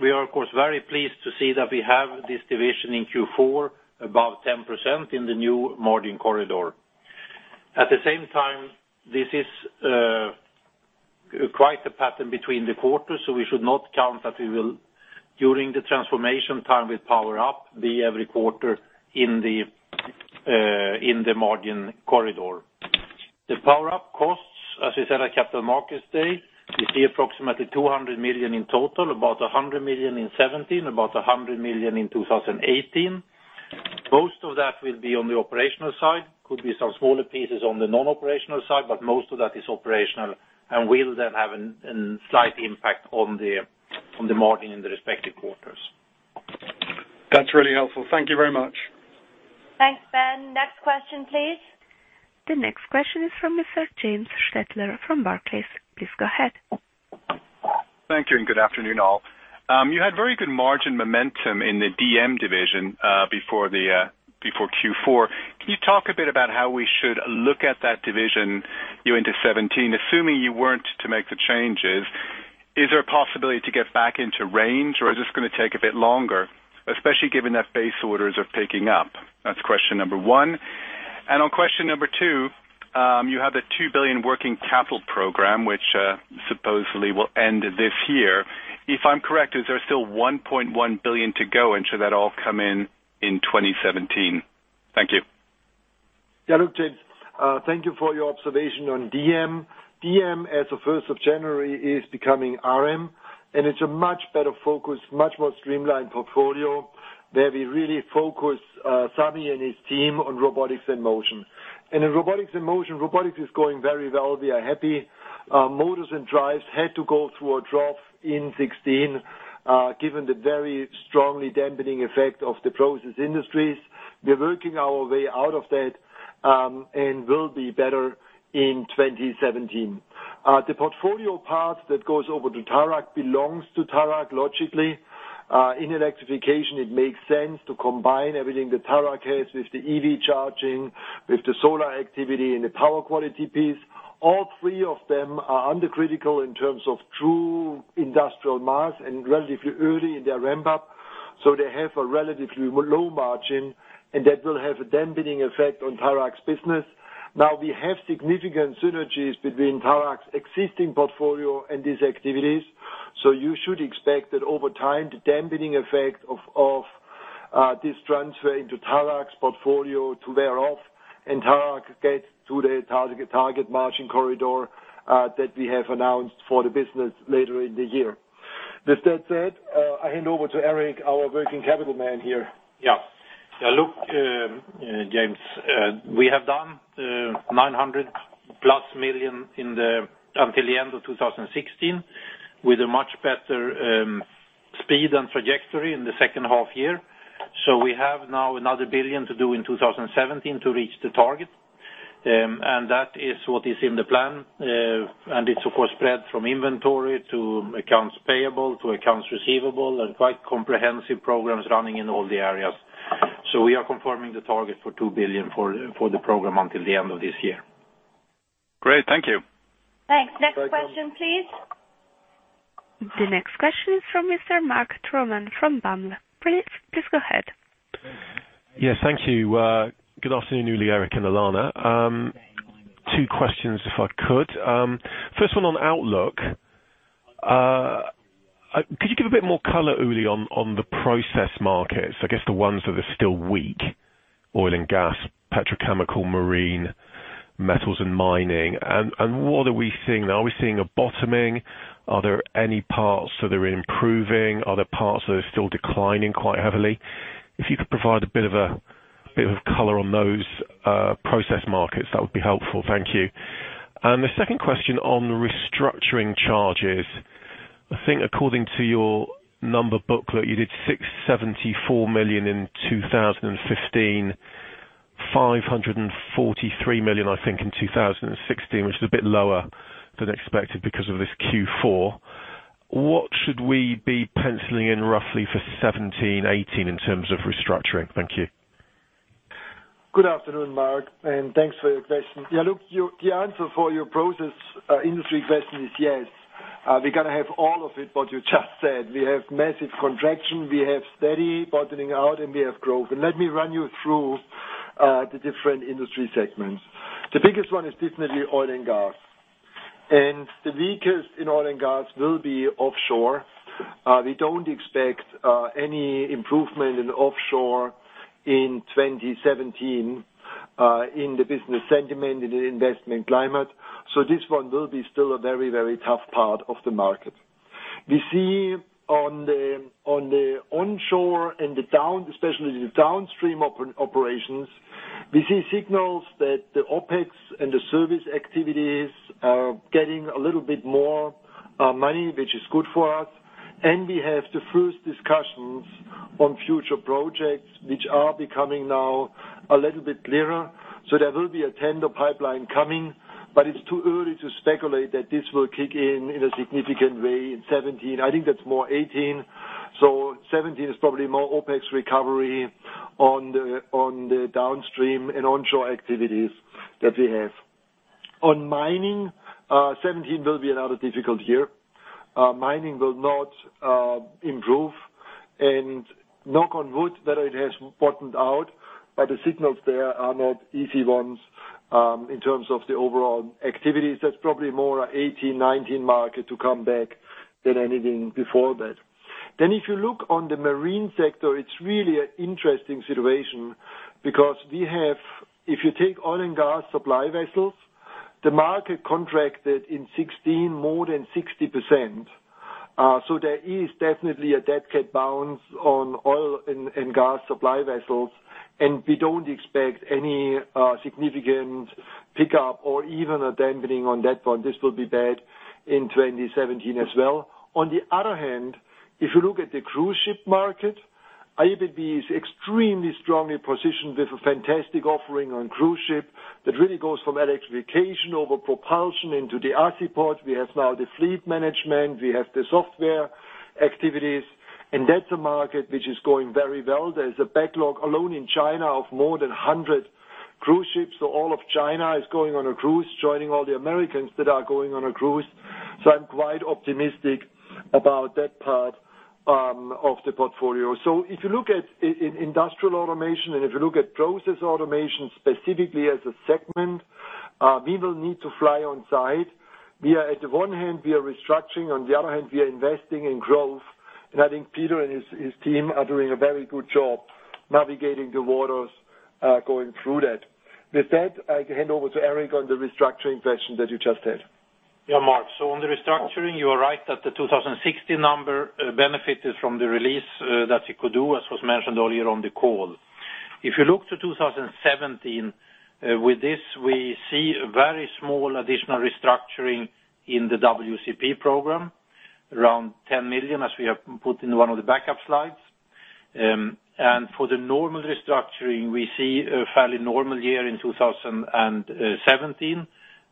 we are, of course, very pleased to see that we have this division in Q4 above 10% in the new margin corridor. At the same time, this is quite a pattern between the quarters, we should not count that we will, during the transformation time with Power Up, be every quarter in the margin corridor. The Power Up costs, as we said at Capital Markets Day, we see approximately 200 million in total, about 100 million in 2017, about 100 million in 2018. Most of that will be on the operational side. Could be some smaller pieces on the non-operational side, but most of that is operational, and will then have a slight impact on the margin in the respective quarters. That's really helpful. Thank you very much. Thanks, Ben. Next question, please. The next question is from Mr. James Stettler from Barclays. Please go ahead. Thank you and good afternoon, all. You had very good margin momentum in the DM division before Q4. Can you talk a bit about how we should look at that division going into 2017? Assuming you weren't to make the changes, is there a possibility to get back into range, or is this going to take a bit longer? Especially given that base orders are picking up. That's question number one. On question number two, you have a $2 billion working capital program, which supposedly will end this year. If I'm correct, is there still $1.1 billion to go, and should that all come in in 2017? Thank you. James, thank you for your observation on DM. DM, as of 1st of January, is becoming RM. It's a much better focus, much more streamlined portfolio, where we really focus, Sami and his team, on Robotics and Motion. In Robotics and Motion, Robotics is going very well. We are happy. Motors and drives had to go through a trough in 2016, given the very strongly dampening effect of the process industries. We're working our way out of that. Will be better in 2017. The portfolio part that goes over to Tarak belongs to Tarak logically. In Electrification, it makes sense to combine everything that Tarak has with the EV charging, with the solar activity, and the power quality piece. All three of them are under critical in terms of true industrial mass and relatively early in their ramp-up, so they have a relatively low margin. That will have a dampening effect on Tarak's business. We have significant synergies between Tarak's existing portfolio and these activities, so you should expect that over time, the dampening effect of this transfer into Tarak's portfolio to wear off. Tarak get to the target margin corridor that we have announced for the business later in the year. With that said, I hand over to Eric, our working capital man here. Look, James, we have done 900+ million until the end of 2016, with a much better speed and trajectory in the second half here. We have now another 1 billion to do in 2017 to reach the target. That is what is in the plan. It's of course spread from inventory to accounts payable, to accounts receivable, and quite comprehensive programs running in all the areas. We are confirming the target for 2 billion for the program until the end of this year. Great. Thank you. Thanks. Next question, please. The next question is from Mr. Mark Troman from BAM. Please go ahead. Yes, thank you. Good afternoon, Uli, Eric, and Alanna. Two questions, if I could. First one on outlook. Could you give a bit more color, Uli, on the process markets? I guess the ones that are still weak: oil and gas, petrochemical, marine, metals and mining. What are we seeing now? Are we seeing a bottoming? Are there any parts that are improving? Are there parts that are still declining quite heavily? If you could provide a bit of color on those process markets, that would be helpful. Thank you. The second question on restructuring charges. I think according to your number booklet, you did $674 million in 2015, $543 million, I think, in 2016, which is a bit lower than expected because of this Q4. What should we be penciling in roughly for 2017, 2018 in terms of restructuring? Thank you. Good afternoon, Mark. Thanks for your question. The answer for your process industry question is yes. We're going to have all of it what you just said. We have massive contraction, we have steady bottoming out, and we have growth. Let me run you through the different industry segments. The biggest one is definitely oil and gas. The weakest in oil and gas will be offshore. We don't expect any improvement in offshore in 2017 in the business sentiment, in the investment climate. This one will be still a very, very tough part of the market. We see on the onshore and especially the downstream operations. We see signals that the OpEx and the service activities are getting a little bit more money, which is good for us. We have the first discussions on future projects, which are becoming now a little bit clearer. There will be a tender pipeline coming, but it's too early to speculate that this will kick in a significant way in 2017. I think that's more 2018. 2017 is probably more OpEx recovery on the downstream and onshore activities that we have. On mining, 2017 will be another difficult year. Mining will not improve and knock on wood, that it has bottomed out. The signals there are not easy ones. In terms of the overall activities, that's probably more a 2018, 2019 market to come back than anything before that. If you look on the marine sector, it's really an interesting situation because we have, if you take oil and gas supply vessels, the market contracted in 2016 more than 60%. There is definitely a dead cat bounce on oil and gas supply vessels, and we don't expect any significant pickup or even a dampening on that one. This will be bad in 2017 as well. On the other hand, if you look at the cruise ship market, ABB is extremely strongly positioned with a fantastic offering on cruise ship that really goes from electrification over propulsion into the port. We have now the fleet management. We have the software activities, and that's a market which is going very well. There's a backlog alone in China of more than 100 cruise ships. All of China is going on a cruise, joining all the Americans that are going on a cruise. I'm quite optimistic about that part of the portfolio. If you look at Industrial Automation, if you look at Process Automation specifically as a segment, we will need to fly on site. We are at the one hand, we are restructuring, on the other hand, we are investing in growth. I think Peter and his team are doing a very good job navigating the waters, going through that. With that, I hand over to Eric on the restructuring question that you just had. Yeah, Mark. On the restructuring, you are right that the 2016 number benefited from the release that you could do, as was mentioned earlier on the call. If you look to 2017, with this, we see a very small additional restructuring in the WCP program, around $10 million, as we have put in one of the backup slides. For the normal restructuring, we see a fairly normal year in 2017,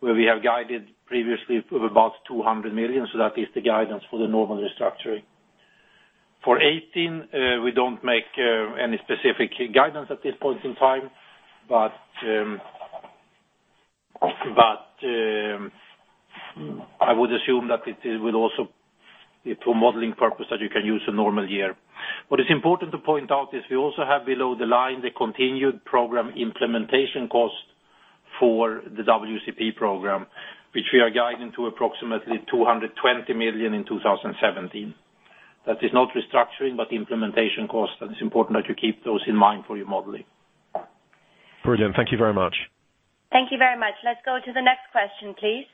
where we have guided previously of about $200 million. That is the guidance for the normal restructuring. For 2018, we don't make any specific guidance at this point in time. I would assume that it will also be for modeling purpose that you can use a normal year. What is important to point out is we also have below the line the continued program implementation cost for the WCP program, which we are guiding to approximately $220 million in 2017. That is not restructuring, but the implementation cost, and it's important that you keep those in mind for your modeling. Brilliant. Thank you very much. Thank you very much. Let's go to the next question, please.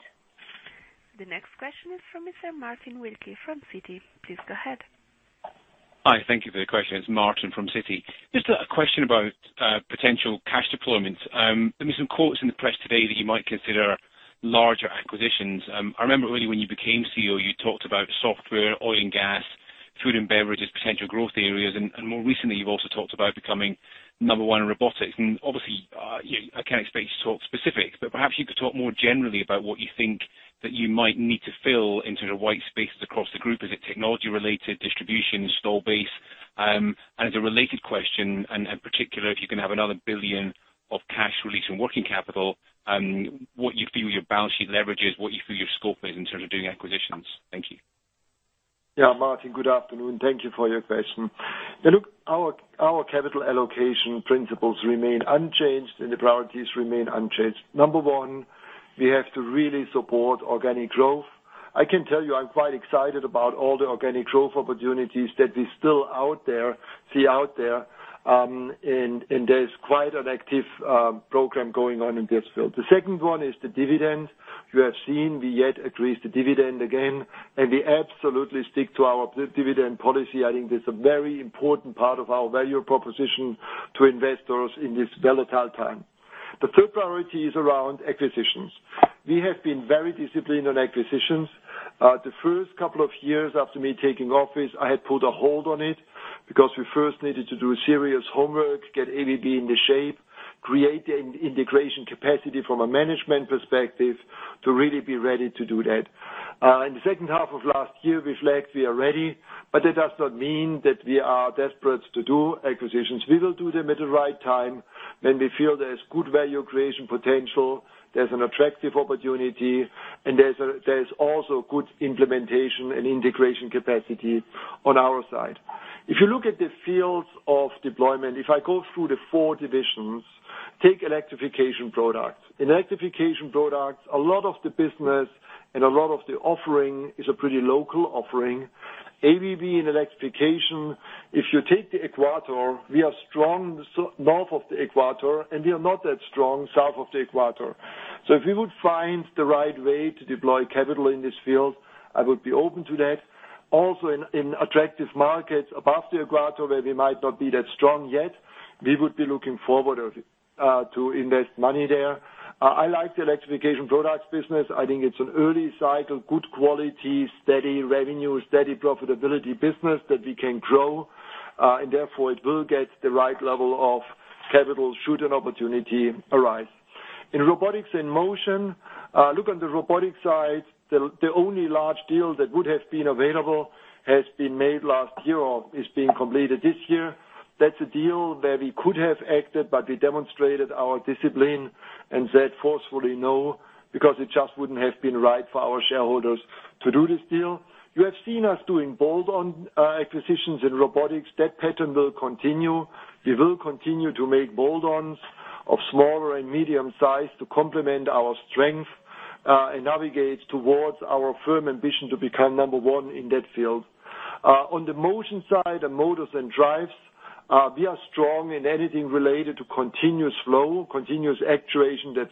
The next question is from Mr. Martin Wilkie from Citi. Please go ahead. Hi. Thank you for the question. It's Martin from Citi. Just a question about potential cash deployment. There were some quotes in the press today that you might consider larger acquisitions. I remember earlier when you became CEO, you talked about software, oil and gas, food and beverage as potential growth areas. Obviously, I can't expect you to talk specifics, but perhaps you could talk more generally about what you think that you might need to fill in terms of white spaces across the group. Is it technology related, distribution, install base? As a related question, in particular, if you can have another 1 billion of cash release and working capital, what you feel your balance sheet leverage is, what you feel your scope is in terms of doing acquisitions. Thank you. Yeah, Martin, good afternoon. Thank you for your question. Look, our capital allocation principles remain unchanged. The priorities remain unchanged. Number one, we have to really support organic growth. I can tell you, I'm quite excited about all the organic growth opportunities that we still see out there. There's quite an active program going on in this field. The second one is the dividend. You have seen we yet increased the dividend again. We absolutely stick to our dividend policy. I think that's a very important part of our value proposition to investors in this volatile time. The third priority is around acquisitions. We have been very disciplined on acquisitions. The first couple of years after me taking office, I had put a hold on it because we first needed to do serious homework, get ABB into shape, create an integration capacity from a management perspective to really be ready to do that. In the second half of last year, we flagged we are ready, but that does not mean that we are desperate to do acquisitions. We will do them at the right time when we feel there's good value creation potential, there's an attractive opportunity, and there's also good implementation and integration capacity on our side. If you look at the fields of deployment, if I go through the four divisions, take Electrification Products. In Electrification Products, a lot of the business and a lot of the offering is a pretty local offering. ABB in Electrification, if you take the equator, we are strong north of the equator, and we are not that strong south of the equator. If we would find the right way to deploy capital in this field, I would be open to that. Also, in attractive markets above the equator where we might not be that strong yet, we would be looking forward to invest money there. I like the Electrification Products business. I think it's an early cycle, good quality, steady revenue, steady profitability business that we can grow. Therefore, it will get the right level of capital should an opportunity arise. In Robotics and Motion, look on the robotics side, the only large deal that would have been available has been made last year or is being completed this year. That's a deal where we could have acted, but we demonstrated our discipline and said forcefully no, because it just wouldn't have been right for our shareholders to do this deal. You have seen us doing bolt-on acquisitions in robotics. That pattern will continue. We will continue to make bolt-ons of smaller and medium size to complement our strength, and navigate towards our firm ambition to become number one in that field. On the motion side, the motors and drives, we are strong in anything related to continuous flow, continuous actuation, that's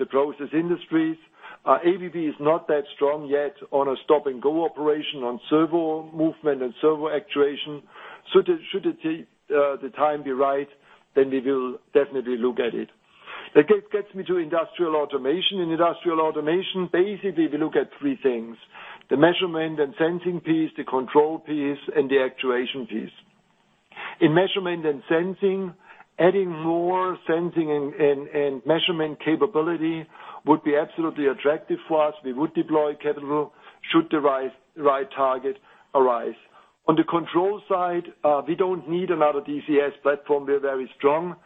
the process industries. ABB is not that strong yet on a stop-and-go operation on servo movement and servo actuation. Should the time be right, then we will definitely look at it. That gets me to Industrial Automation. In Industrial Automation, basically, we look at three things, the measurement and sensing piece, the control piece, and the actuation piece. In measurement and sensing, adding more sensing and measurement capability would be absolutely attractive for us. We would deploy capital should the right target arise. On the control side, we don't need another DCS platform. We are very strong.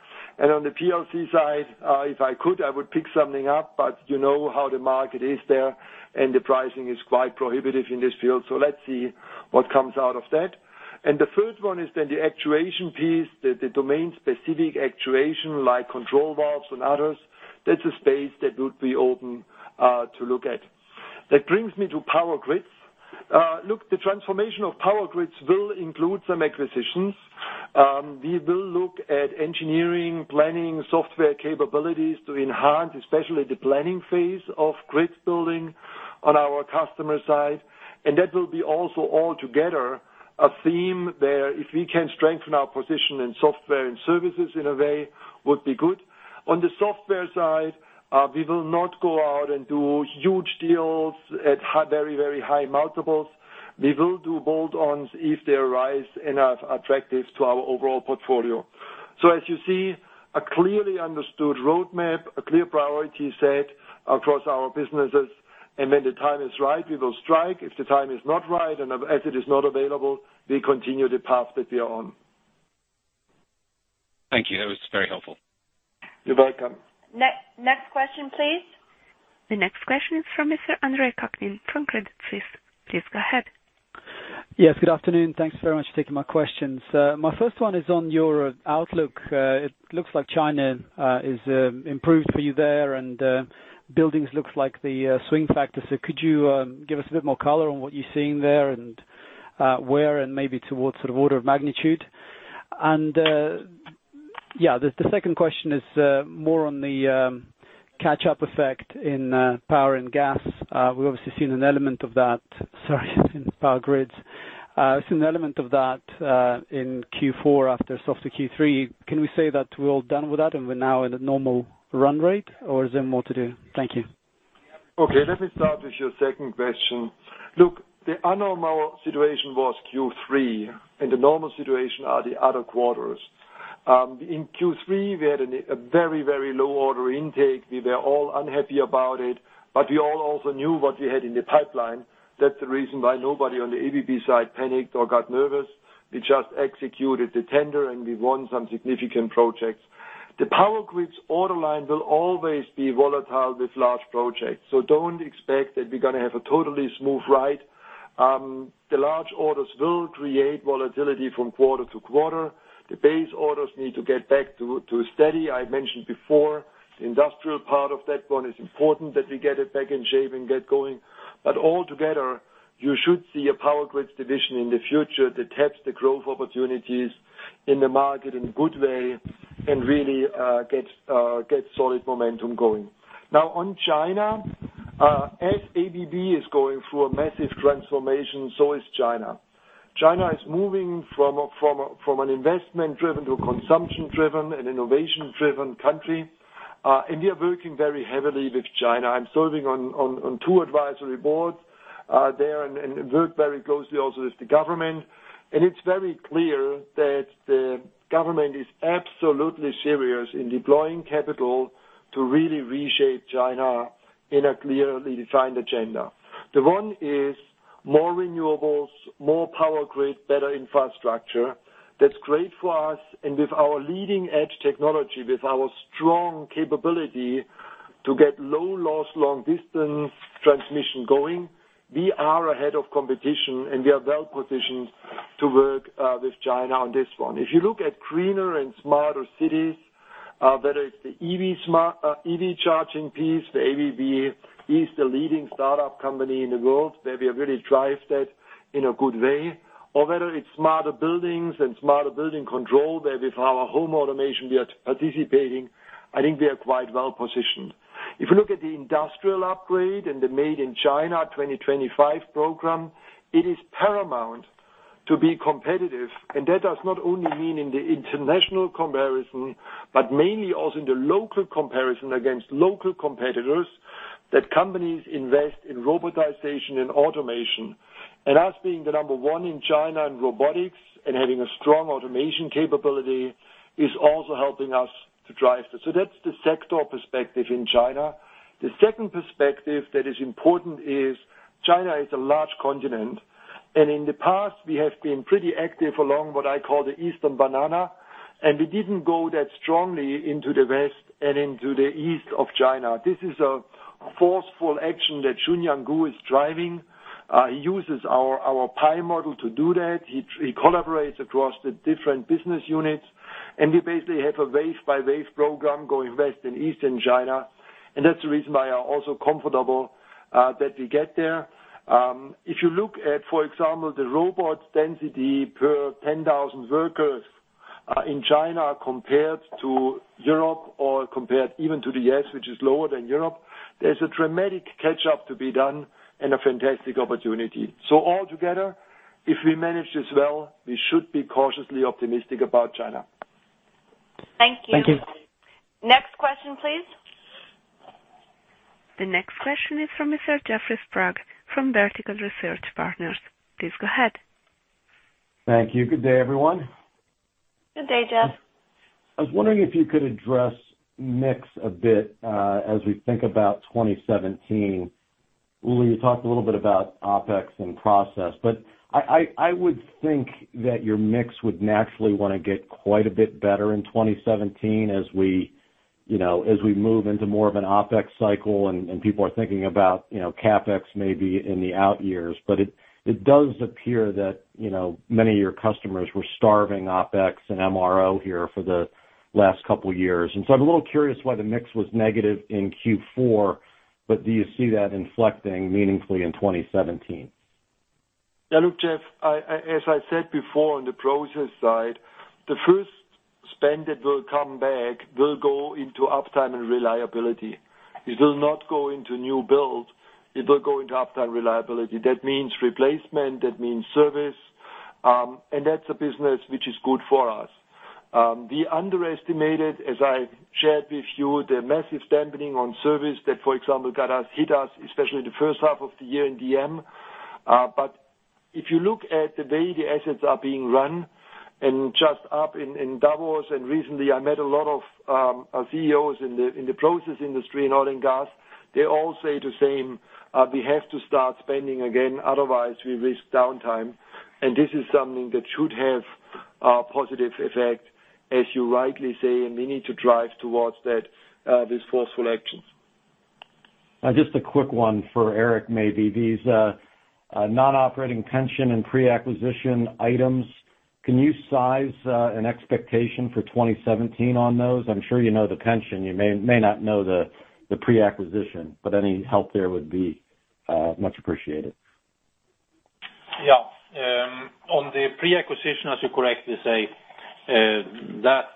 On the PLC side, if I could, I would pick something up, but you know how the market is there, and the pricing is quite prohibitive in this field. Let's see what comes out of that. The third one is then the actuation piece, the domain-specific actuation like control valves and others. That's a space that would be open to look at. That brings me to Power Grids. Look, the transformation of Power Grids will include some acquisitions. We will look at engineering, planning, software capabilities to enhance, especially the planning phase of grid building on our customer side. That will be also all together a theme there if we can strengthen our position in software and services in a way, would be good. On the software side, we will not go out and do huge deals at very high multiples. We will do bolt-ons if they arise and are attractive to our overall portfolio. As you see, a clearly understood roadmap, a clear priority set across our businesses, and when the time is right, we will strike. If the time is not right and the asset is not available, we continue the path that we are on. Thank you. That was very helpful. You're welcome. Next question, please. The next question is from Andre Kukhnin from Credit Suisse. Please go ahead. Yes, good afternoon. Thanks very much for taking my questions. My first one is on your outlook. It looks like China is improved for you there, and buildings looks like the swing factor. Could you give us a bit more color on what you're seeing there and where and maybe towards sort of order of magnitude? The second question is more on the catch-up effect in Power Grids. We've obviously seen an element of that in Q4 after softer Q3. Can we say that we're all done with that and we're now in a normal run rate or is there more to do? Thank you. Okay, let me start with your second question. Look, the unnormal situation was Q3, the normal situation are the other quarters. In Q3, we had a very low order intake. We were all unhappy about it, we all also knew what we had in the pipeline. That's the reason why nobody on the ABB side panicked or got nervous. We just executed the tender. We won some significant projects. The Power Grids order line will always be volatile with large projects. Don't expect that we're going to have a totally smooth ride. The large orders will create volatility from quarter to quarter. The base orders need to get back to steady. I mentioned before, the industrial part of that one is important that we get it back in shape and get going. Altogether, you should see a Power Grids division in the future that taps the growth opportunities in the market in a good way and really gets solid momentum going. Now, on China, as ABB is going through a massive transformation, so is China. China is moving from an investment-driven to a consumption-driven and innovation-driven country. We are working very heavily with China. I'm serving on two advisory boards there and work very closely also with the government. It's very clear that the government is absolutely serious in deploying capital to really reshape China in a clearly defined agenda. The one is more renewables, more Power Grids, better infrastructure. That's great for us. With our leading-edge technology, with our strong capability to get low loss, long distance transmission going, we are ahead of competition, and we are well-positioned to work with China on this one. If you look at greener and smarter cities, whether it's the EV charging piece, ABB is the leading startup company in the world, where we really drive that in a good way, or whether it's smarter buildings and smarter building control, where with our home automation, we are participating, I think we are quite well-positioned. If you look at the industrial upgrade and the Made in China 2025 program, it is paramount to be competitive, and that does not only mean in the international comparison, but mainly also in the local comparison against local competitors, that companies invest in robotization and automation. Us being the number one in China in robotics and having a strong automation capability is also helping us to drive this. That's the sector perspective in China. The second perspective that is important is China is a large continent, and in the past we have been pretty active along what I call the eastern banana, and we didn't go that strongly into the west and into the east of China. This is a forceful action that Chunyuan Gu is driving. He uses our PIE model to do that. He collaborates across the different business units, and we basically have a wave-by-wave program going west and east in China. That's the reason why I'm also comfortable that we get there. If you look at, for example, the robot density per 10,000 workers in China compared to Europe or compared even to the U.S., which is lower than Europe, there's a dramatic catch-up to be done and a fantastic opportunity. Altogether, if we manage this well, we should be cautiously optimistic about China. Thank you. Thank you. Next question, please. The next question is from Mr. Jeffrey Sprague from Vertical Research Partners. Please go ahead. Thank you. Good day, everyone. Good day, Jeff. I was wondering if you could address mix a bit, as we think about 2017. Ulrich, you talked a little bit about OpEx and process, I would think that your mix would naturally want to get quite a bit better in 2017 as we move into more of an OpEx cycle and people are thinking about CapEx maybe in the out years. It does appear that many of your customers were starving OpEx and MRO here for the last couple of years. I'm a little curious why the mix was negative in Q4, do you see that inflecting meaningfully in 2017? Yeah, look, Jeff, as I said before, on the process side, the first spend that will come back will go into uptime and reliability. It will not go into new build. It will go into uptime reliability. That means replacement, that means service. That's a business which is good for us. We underestimated, as I've shared with you, the massive dampening on service that, for example, hit us especially in the first half of the year in DM. If you look at the way the assets are being run and just up in Davos, and recently I met a lot of CEOs in the process industry in oil and gas, they all say the same, "We have to start spending again, otherwise we risk downtime." This is something that should have a positive effect, as you rightly say, and we need to drive towards these forceful actions. Just a quick one for Eric, maybe. These non-operating pension and pre-acquisition items, can you size an expectation for 2017 on those? I'm sure you know the pension. You may not know the pre-acquisition, any help there would be much appreciated. Yeah. On the pre-acquisition, as you correctly say, that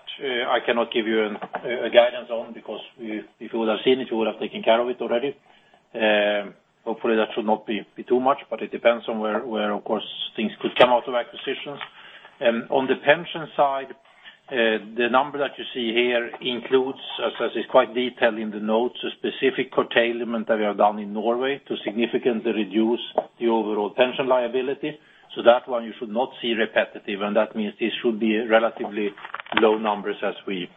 I cannot give you a guidance on because if we would have seen it, we would have taken care of it already. Hopefully, that should not be too much, it depends on where, of course, things could come out of acquisitions. On the pension side, the number that you see here includes, as it's quite detailed in the notes, a specific curtailment that we have done in Norway to significantly reduce the overall pension liability. That one you should not see repetitive, that means this should be relatively low numbers as we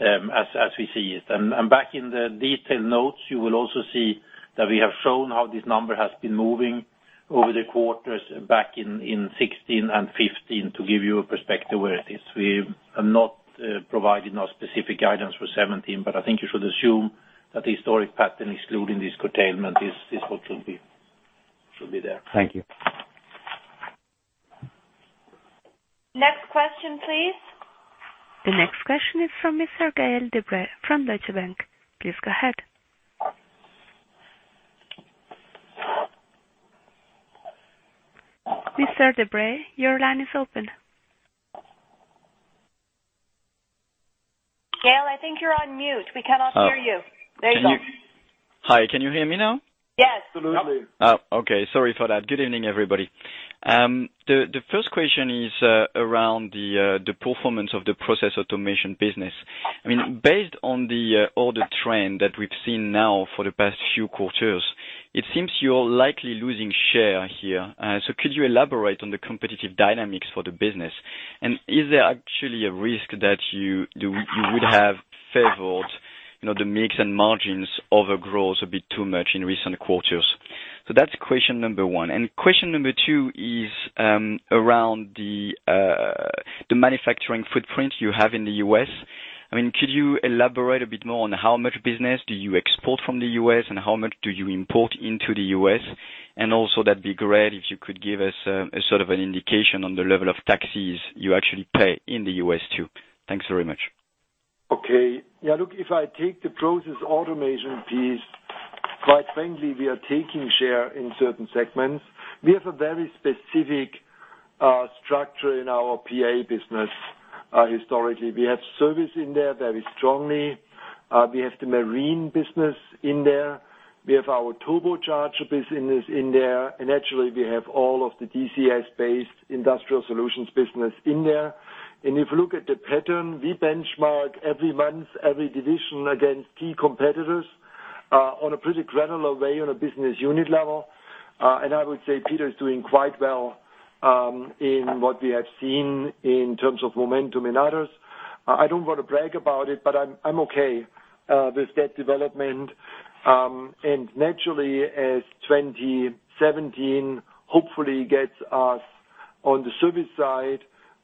see it. Back in the detailed notes, you will also see that we have shown how this number has been moving over the quarters back in 2016 and 2015 to give you a perspective where it is. We are not providing no specific guidance for 2017, but I think you should assume that the historic pattern excluding this curtailment is what will be there. Thank you. Next question, please. The next question is from Mr. Gael de-Bray from Deutsche Bank. Please go ahead. Mr. de-Bray, your line is open. Gael, I think you're on mute. We cannot hear you. There you go. Hi. Can you hear me now? Yes. Absolutely. Okay. Sorry for that. Good evening, everybody. The first question is around the performance of the Process Automation business. Based on the order trend that we've seen now for the past few quarters, it seems you're likely losing share here. Could you elaborate on the competitive dynamics for the business? Is there actually a risk that you would have favored the mix and margins over growth a bit too much in recent quarters? That's question number one. Question number two is around the manufacturing footprint you have in the U.S. Could you elaborate a bit more on how much business do you export from the U.S. and how much do you import into the U.S.? Also that'd be great if you could give us a sort of an indication on the level of taxes you actually pay in the U.S. too. Thanks very much. Okay. Look, if I take the Process Automation piece, frankly, we are taking share in certain segments. We have a very specific structure in our PA business historically. We have service in there very strongly. We have the marine business in there. We have our turbocharger business in there, and actually, we have all of the DCS-based industrial solutions business in there. If you look at the pattern, we benchmark every month, every division against key competitors, on a pretty granular way on a business unit level. I would say Peter is doing quite well in what we have seen in terms of momentum in others. I don't want to brag about it, but I'm okay with that development. Naturally, as 2017 hopefully gets us on the service side,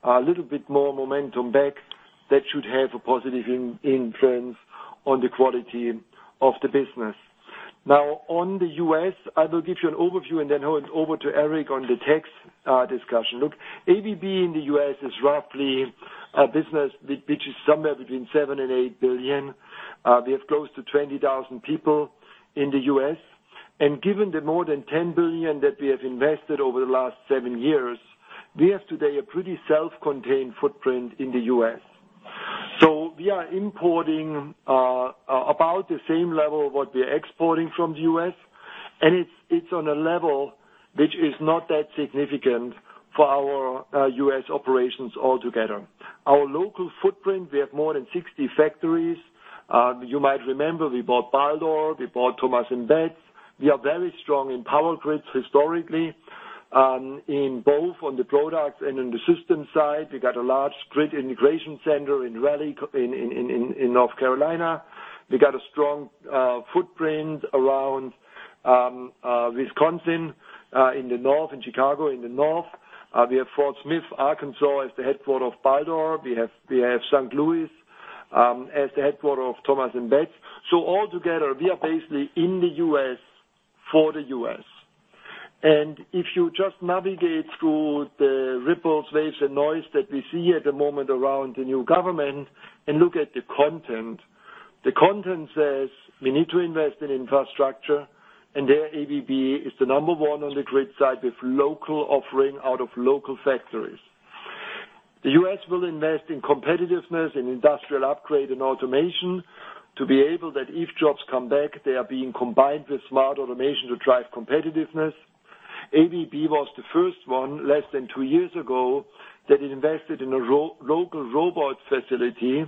a little bit more momentum back, that should have a positive influence on the quality of the business. Now on the U.S., I will give you an overview and then hand over to Eric on the tax discussion. Look, ABB in the U.S. is roughly a business which is somewhere between $7 billion and $8 billion. We have close to 20,000 people in the U.S. Given the more than $10 billion that we have invested over the last seven years, we have today a pretty self-contained footprint in the U.S. So we are importing about the same level of what we are exporting from the U.S., and it is on a level which is not that significant for our U.S. operations altogether. Our local footprint, we have more than 60 factories. You might remember we bought Baldor, we bought Thomas & Betts. We are very strong in Power Grids historically, in both on the product and on the system side. We got a large grid integration center in Raleigh, North Carolina. We got a strong footprint around Wisconsin, in the north, in Chicago, in the north. We have Fort Smith, Arkansas, as the headquarter of Baldor. We have St. Louis as the headquarter of Thomas & Betts. So altogether, we are basically in the U.S. for the U.S. If you just navigate through the ripples, waves, and noise that we see at the moment around the new government and look at the content, the content says we need to invest in infrastructure, and there ABB is the number one on the grid side with local offering out of local factories. The U.S. will invest in competitiveness, in industrial upgrade, and automation to be able that if jobs come back, they are being combined with smart automation to drive competitiveness. ABB was the first one, less than two years ago, that invested in a local robot facility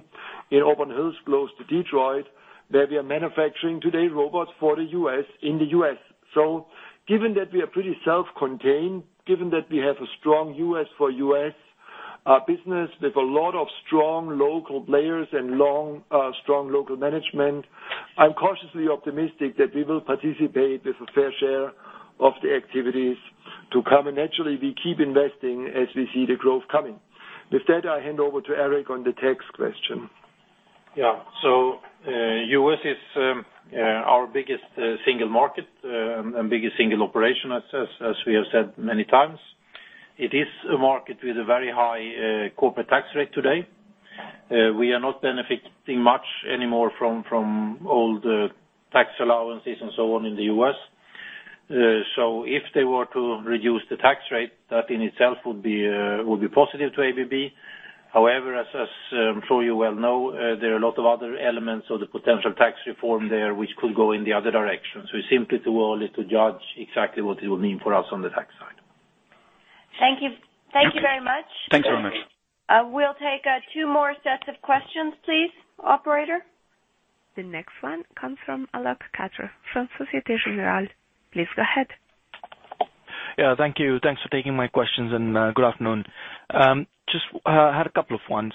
in Auburn Hills, close to Detroit, where we are manufacturing today robots for the U.S. in the U.S. So given that we are pretty self-contained, given that we have a strong U.S. for U.S. business with a lot of strong local players and long, strong local management, I am cautiously optimistic that we will participate with a fair share of the activities to come. Naturally, we keep investing as we see the growth coming. With that, I hand over to Eric on the tax question. Yeah. So U.S. is our biggest single market, and biggest single operation as we have said many times. It is a market with a very high corporate tax rate today. We are not benefiting much anymore from all the tax allowances and so on in the U.S. So if they were to reduce the tax rate, that in itself would be positive to ABB. However, as I am sure you well know, there are a lot of other elements of the potential tax reform there which could go in the other direction. So it is simply too early to judge exactly what it will mean for us on the tax side. Thank you. Thank you very much. Thanks very much. We'll take two more sets of questions, please, operator. The next one comes from Alok Katre from Société Générale. Please go ahead. Thank you. Thanks for taking my questions, and good afternoon. Just had a couple of ones.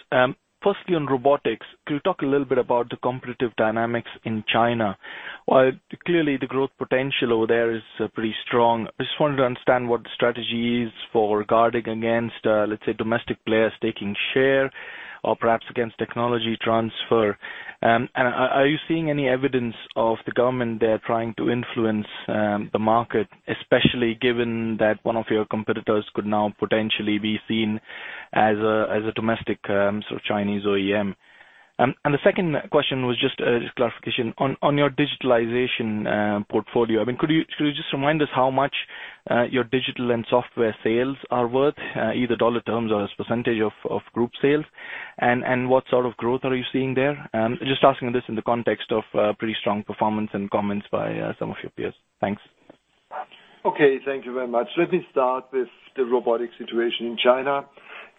Firstly, on robotics, could you talk a little bit about the competitive dynamics in China? While clearly the growth potential over there is pretty strong, I just wanted to understand what the strategy is for guarding against, let's say, domestic players taking share or perhaps against technology transfer. Are you seeing any evidence of the government there trying to influence the market, especially given that one of your competitors could now potentially be seen as a domestic Chinese OEM? The second question was just a clarification on your digitalization portfolio. Could you just remind us how much your digital and software sales are worth, either dollar terms or as % of group sales? What sort of growth are you seeing there? Just asking this in the context of pretty strong performance and comments by some of your peers. Thanks. Okay. Thank you very much. Let me start with the robotics situation in China.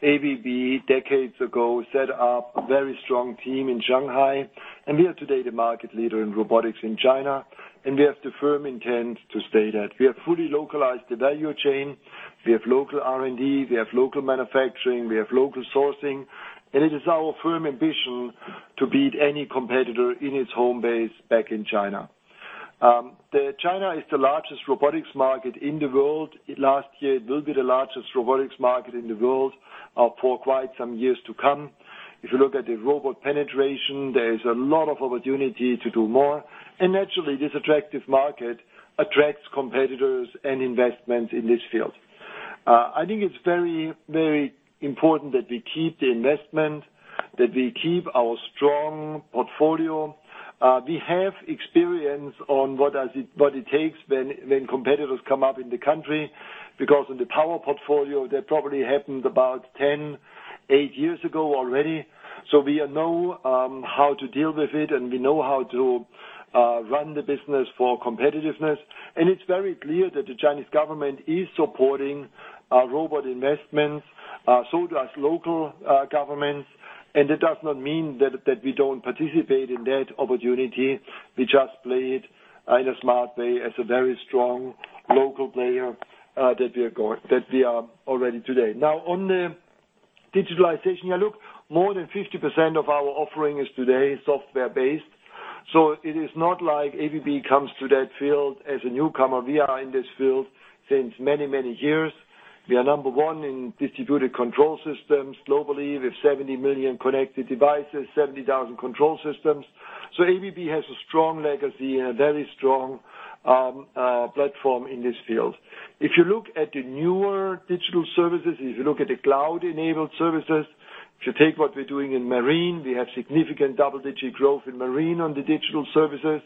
ABB decades ago set up a very strong team in Shanghai, we are today the market leader in robotics in China, and we have the firm intent to stay that. We have fully localized the value chain. We have local R&D, we have local manufacturing, we have local sourcing, and it is our firm ambition to beat any competitor in its home base back in China. China is the largest robotics market in the world. Last year, it will be the largest robotics market in the world for quite some years to come. If you look at the robot penetration, there is a lot of opportunity to do more. Naturally, this attractive market attracts competitors and investments in this field. I think it's very important that we keep the investment, that we keep our strong portfolio. We have experience on what it takes when competitors come up in the country, because in the power portfolio, that probably happened about 10, eight years ago already. We know how to deal with it, and we know how to run the business for competitiveness. It's very clear that the Chinese government is supporting our robot investments, so does local governments. That does not mean that we don't participate in that opportunity. We just play it in a smart way as a very strong local player that we are already today. On the digitalization, look, more than 50% of our offering is today software-based. It is not like ABB comes to that field as a newcomer. We are in this field since many years. We are number one in distributed control systems globally, with 70 million connected devices, 70,000 control systems. ABB has a strong legacy and a very strong platform in this field. If you look at the newer digital services, if you look at the cloud-enabled services, if you take what we're doing in marine, we have significant double-digit growth in marine on the digital services.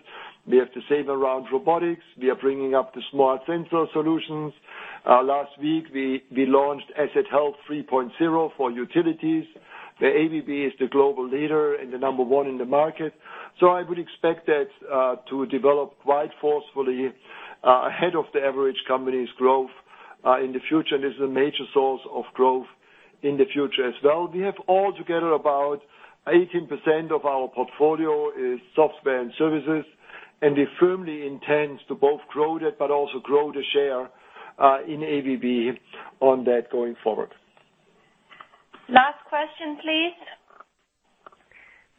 We have the same around robotics. We are bringing up the smart sensor solutions. Last week, we launched Asset Health Center for utilities. ABB is the global leader and the number one in the market. I would expect that to develop quite forcefully ahead of the average company's growth in the future, and is a major source of growth in the future as well. We have altogether about 18% of our portfolio is software and services. We firmly intend to both grow that, also grow the share in ABB on that going forward. Last question, please.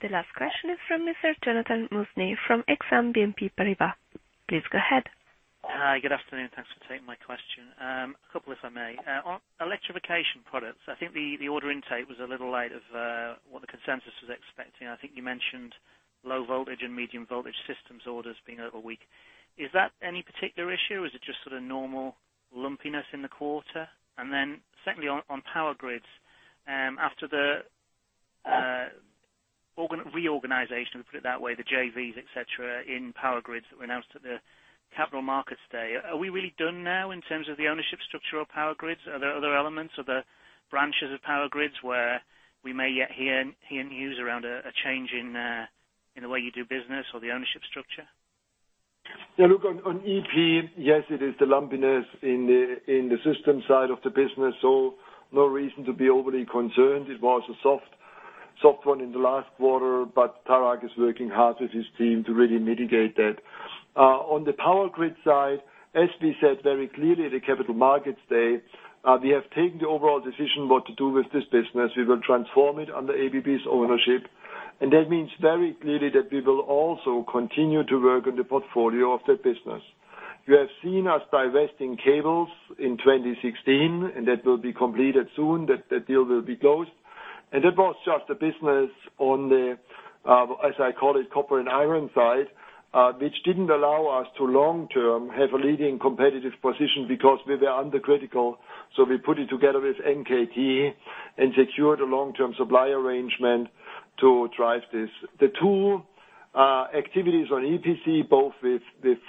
The last question is from Mr. Jonathan Mounsey from Exane BNP Paribas. Please go ahead. Hi. Good afternoon. Thanks for taking my question. A couple if I may. On Electrification Products, I think the order intake was a little light of what the consensus was expecting. I think you mentioned low voltage and medium voltage systems orders being a little weak. Is that any particular issue, or is it just sort of normal lumpiness in the quarter? Secondly, on Power Grids, after the reorganization, put it that way, the JVs, et cetera, in Power Grids that were announced at the Capital Markets Day. Are we really done now in terms of the ownership structure of Power Grids? Are there other elements? Are there branches of Power Grids where we may yet hear news around a change in the way you do business or the ownership structure? On EP, yes, it is the lumpiness in the systems side of the business. No reason to be overly concerned. It was a soft one in the last quarter, but Tarak is working hard with his team to really mitigate that. On the Power Grids side, as we said very clearly at the Capital Markets Day, we have taken the overall decision what to do with this business. We will transform it under ABB's ownership. That means very clearly that we will also continue to work on the portfolio of that business. You have seen us divesting cables in 2016, and that will be completed soon. That deal will be closed. That was just a business on the, as I call it, copper and iron side, which didn't allow us to long-term have a leading competitive position because we were under critical. We put it together with NKT and secured a long-term supply arrangement to drive this. The two activities on EPC, both with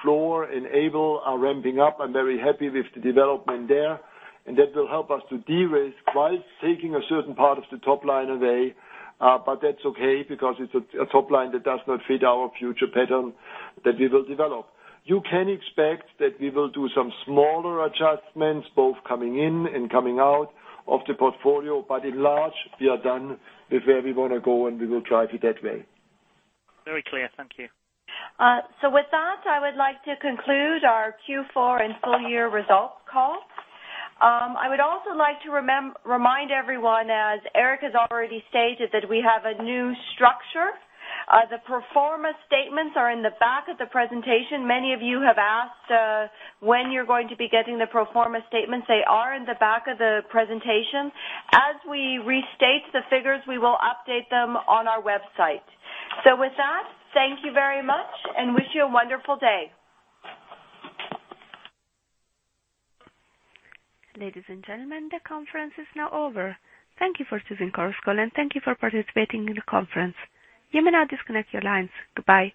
Fluor and Aibel are ramping up. I'm very happy with the development there, and that will help us to derisk while taking a certain part of the top line away. That's okay because it's a top line that does not fit our future pattern that we will develop. You can expect that we will do some smaller adjustments, both coming in and coming out of the portfolio. In large, we are done with where we want to go, and we will drive it that way. Very clear. Thank you. With that, I would like to conclude our Q4 and full year results call. I would also like to remind everyone, as Eric has already stated, that we have a new structure. The pro forma statements are in the back of the presentation. Many of you have asked when you're going to be getting the pro forma statements. They are in the back of the presentation. As we restate the figures, we will update them on our website. With that, thank you very much and wish you a wonderful day. Ladies and gentlemen, the conference is now over. Thank you for choosing Chorus Call, and thank you for participating in the conference. You may now disconnect your lines. Goodbye.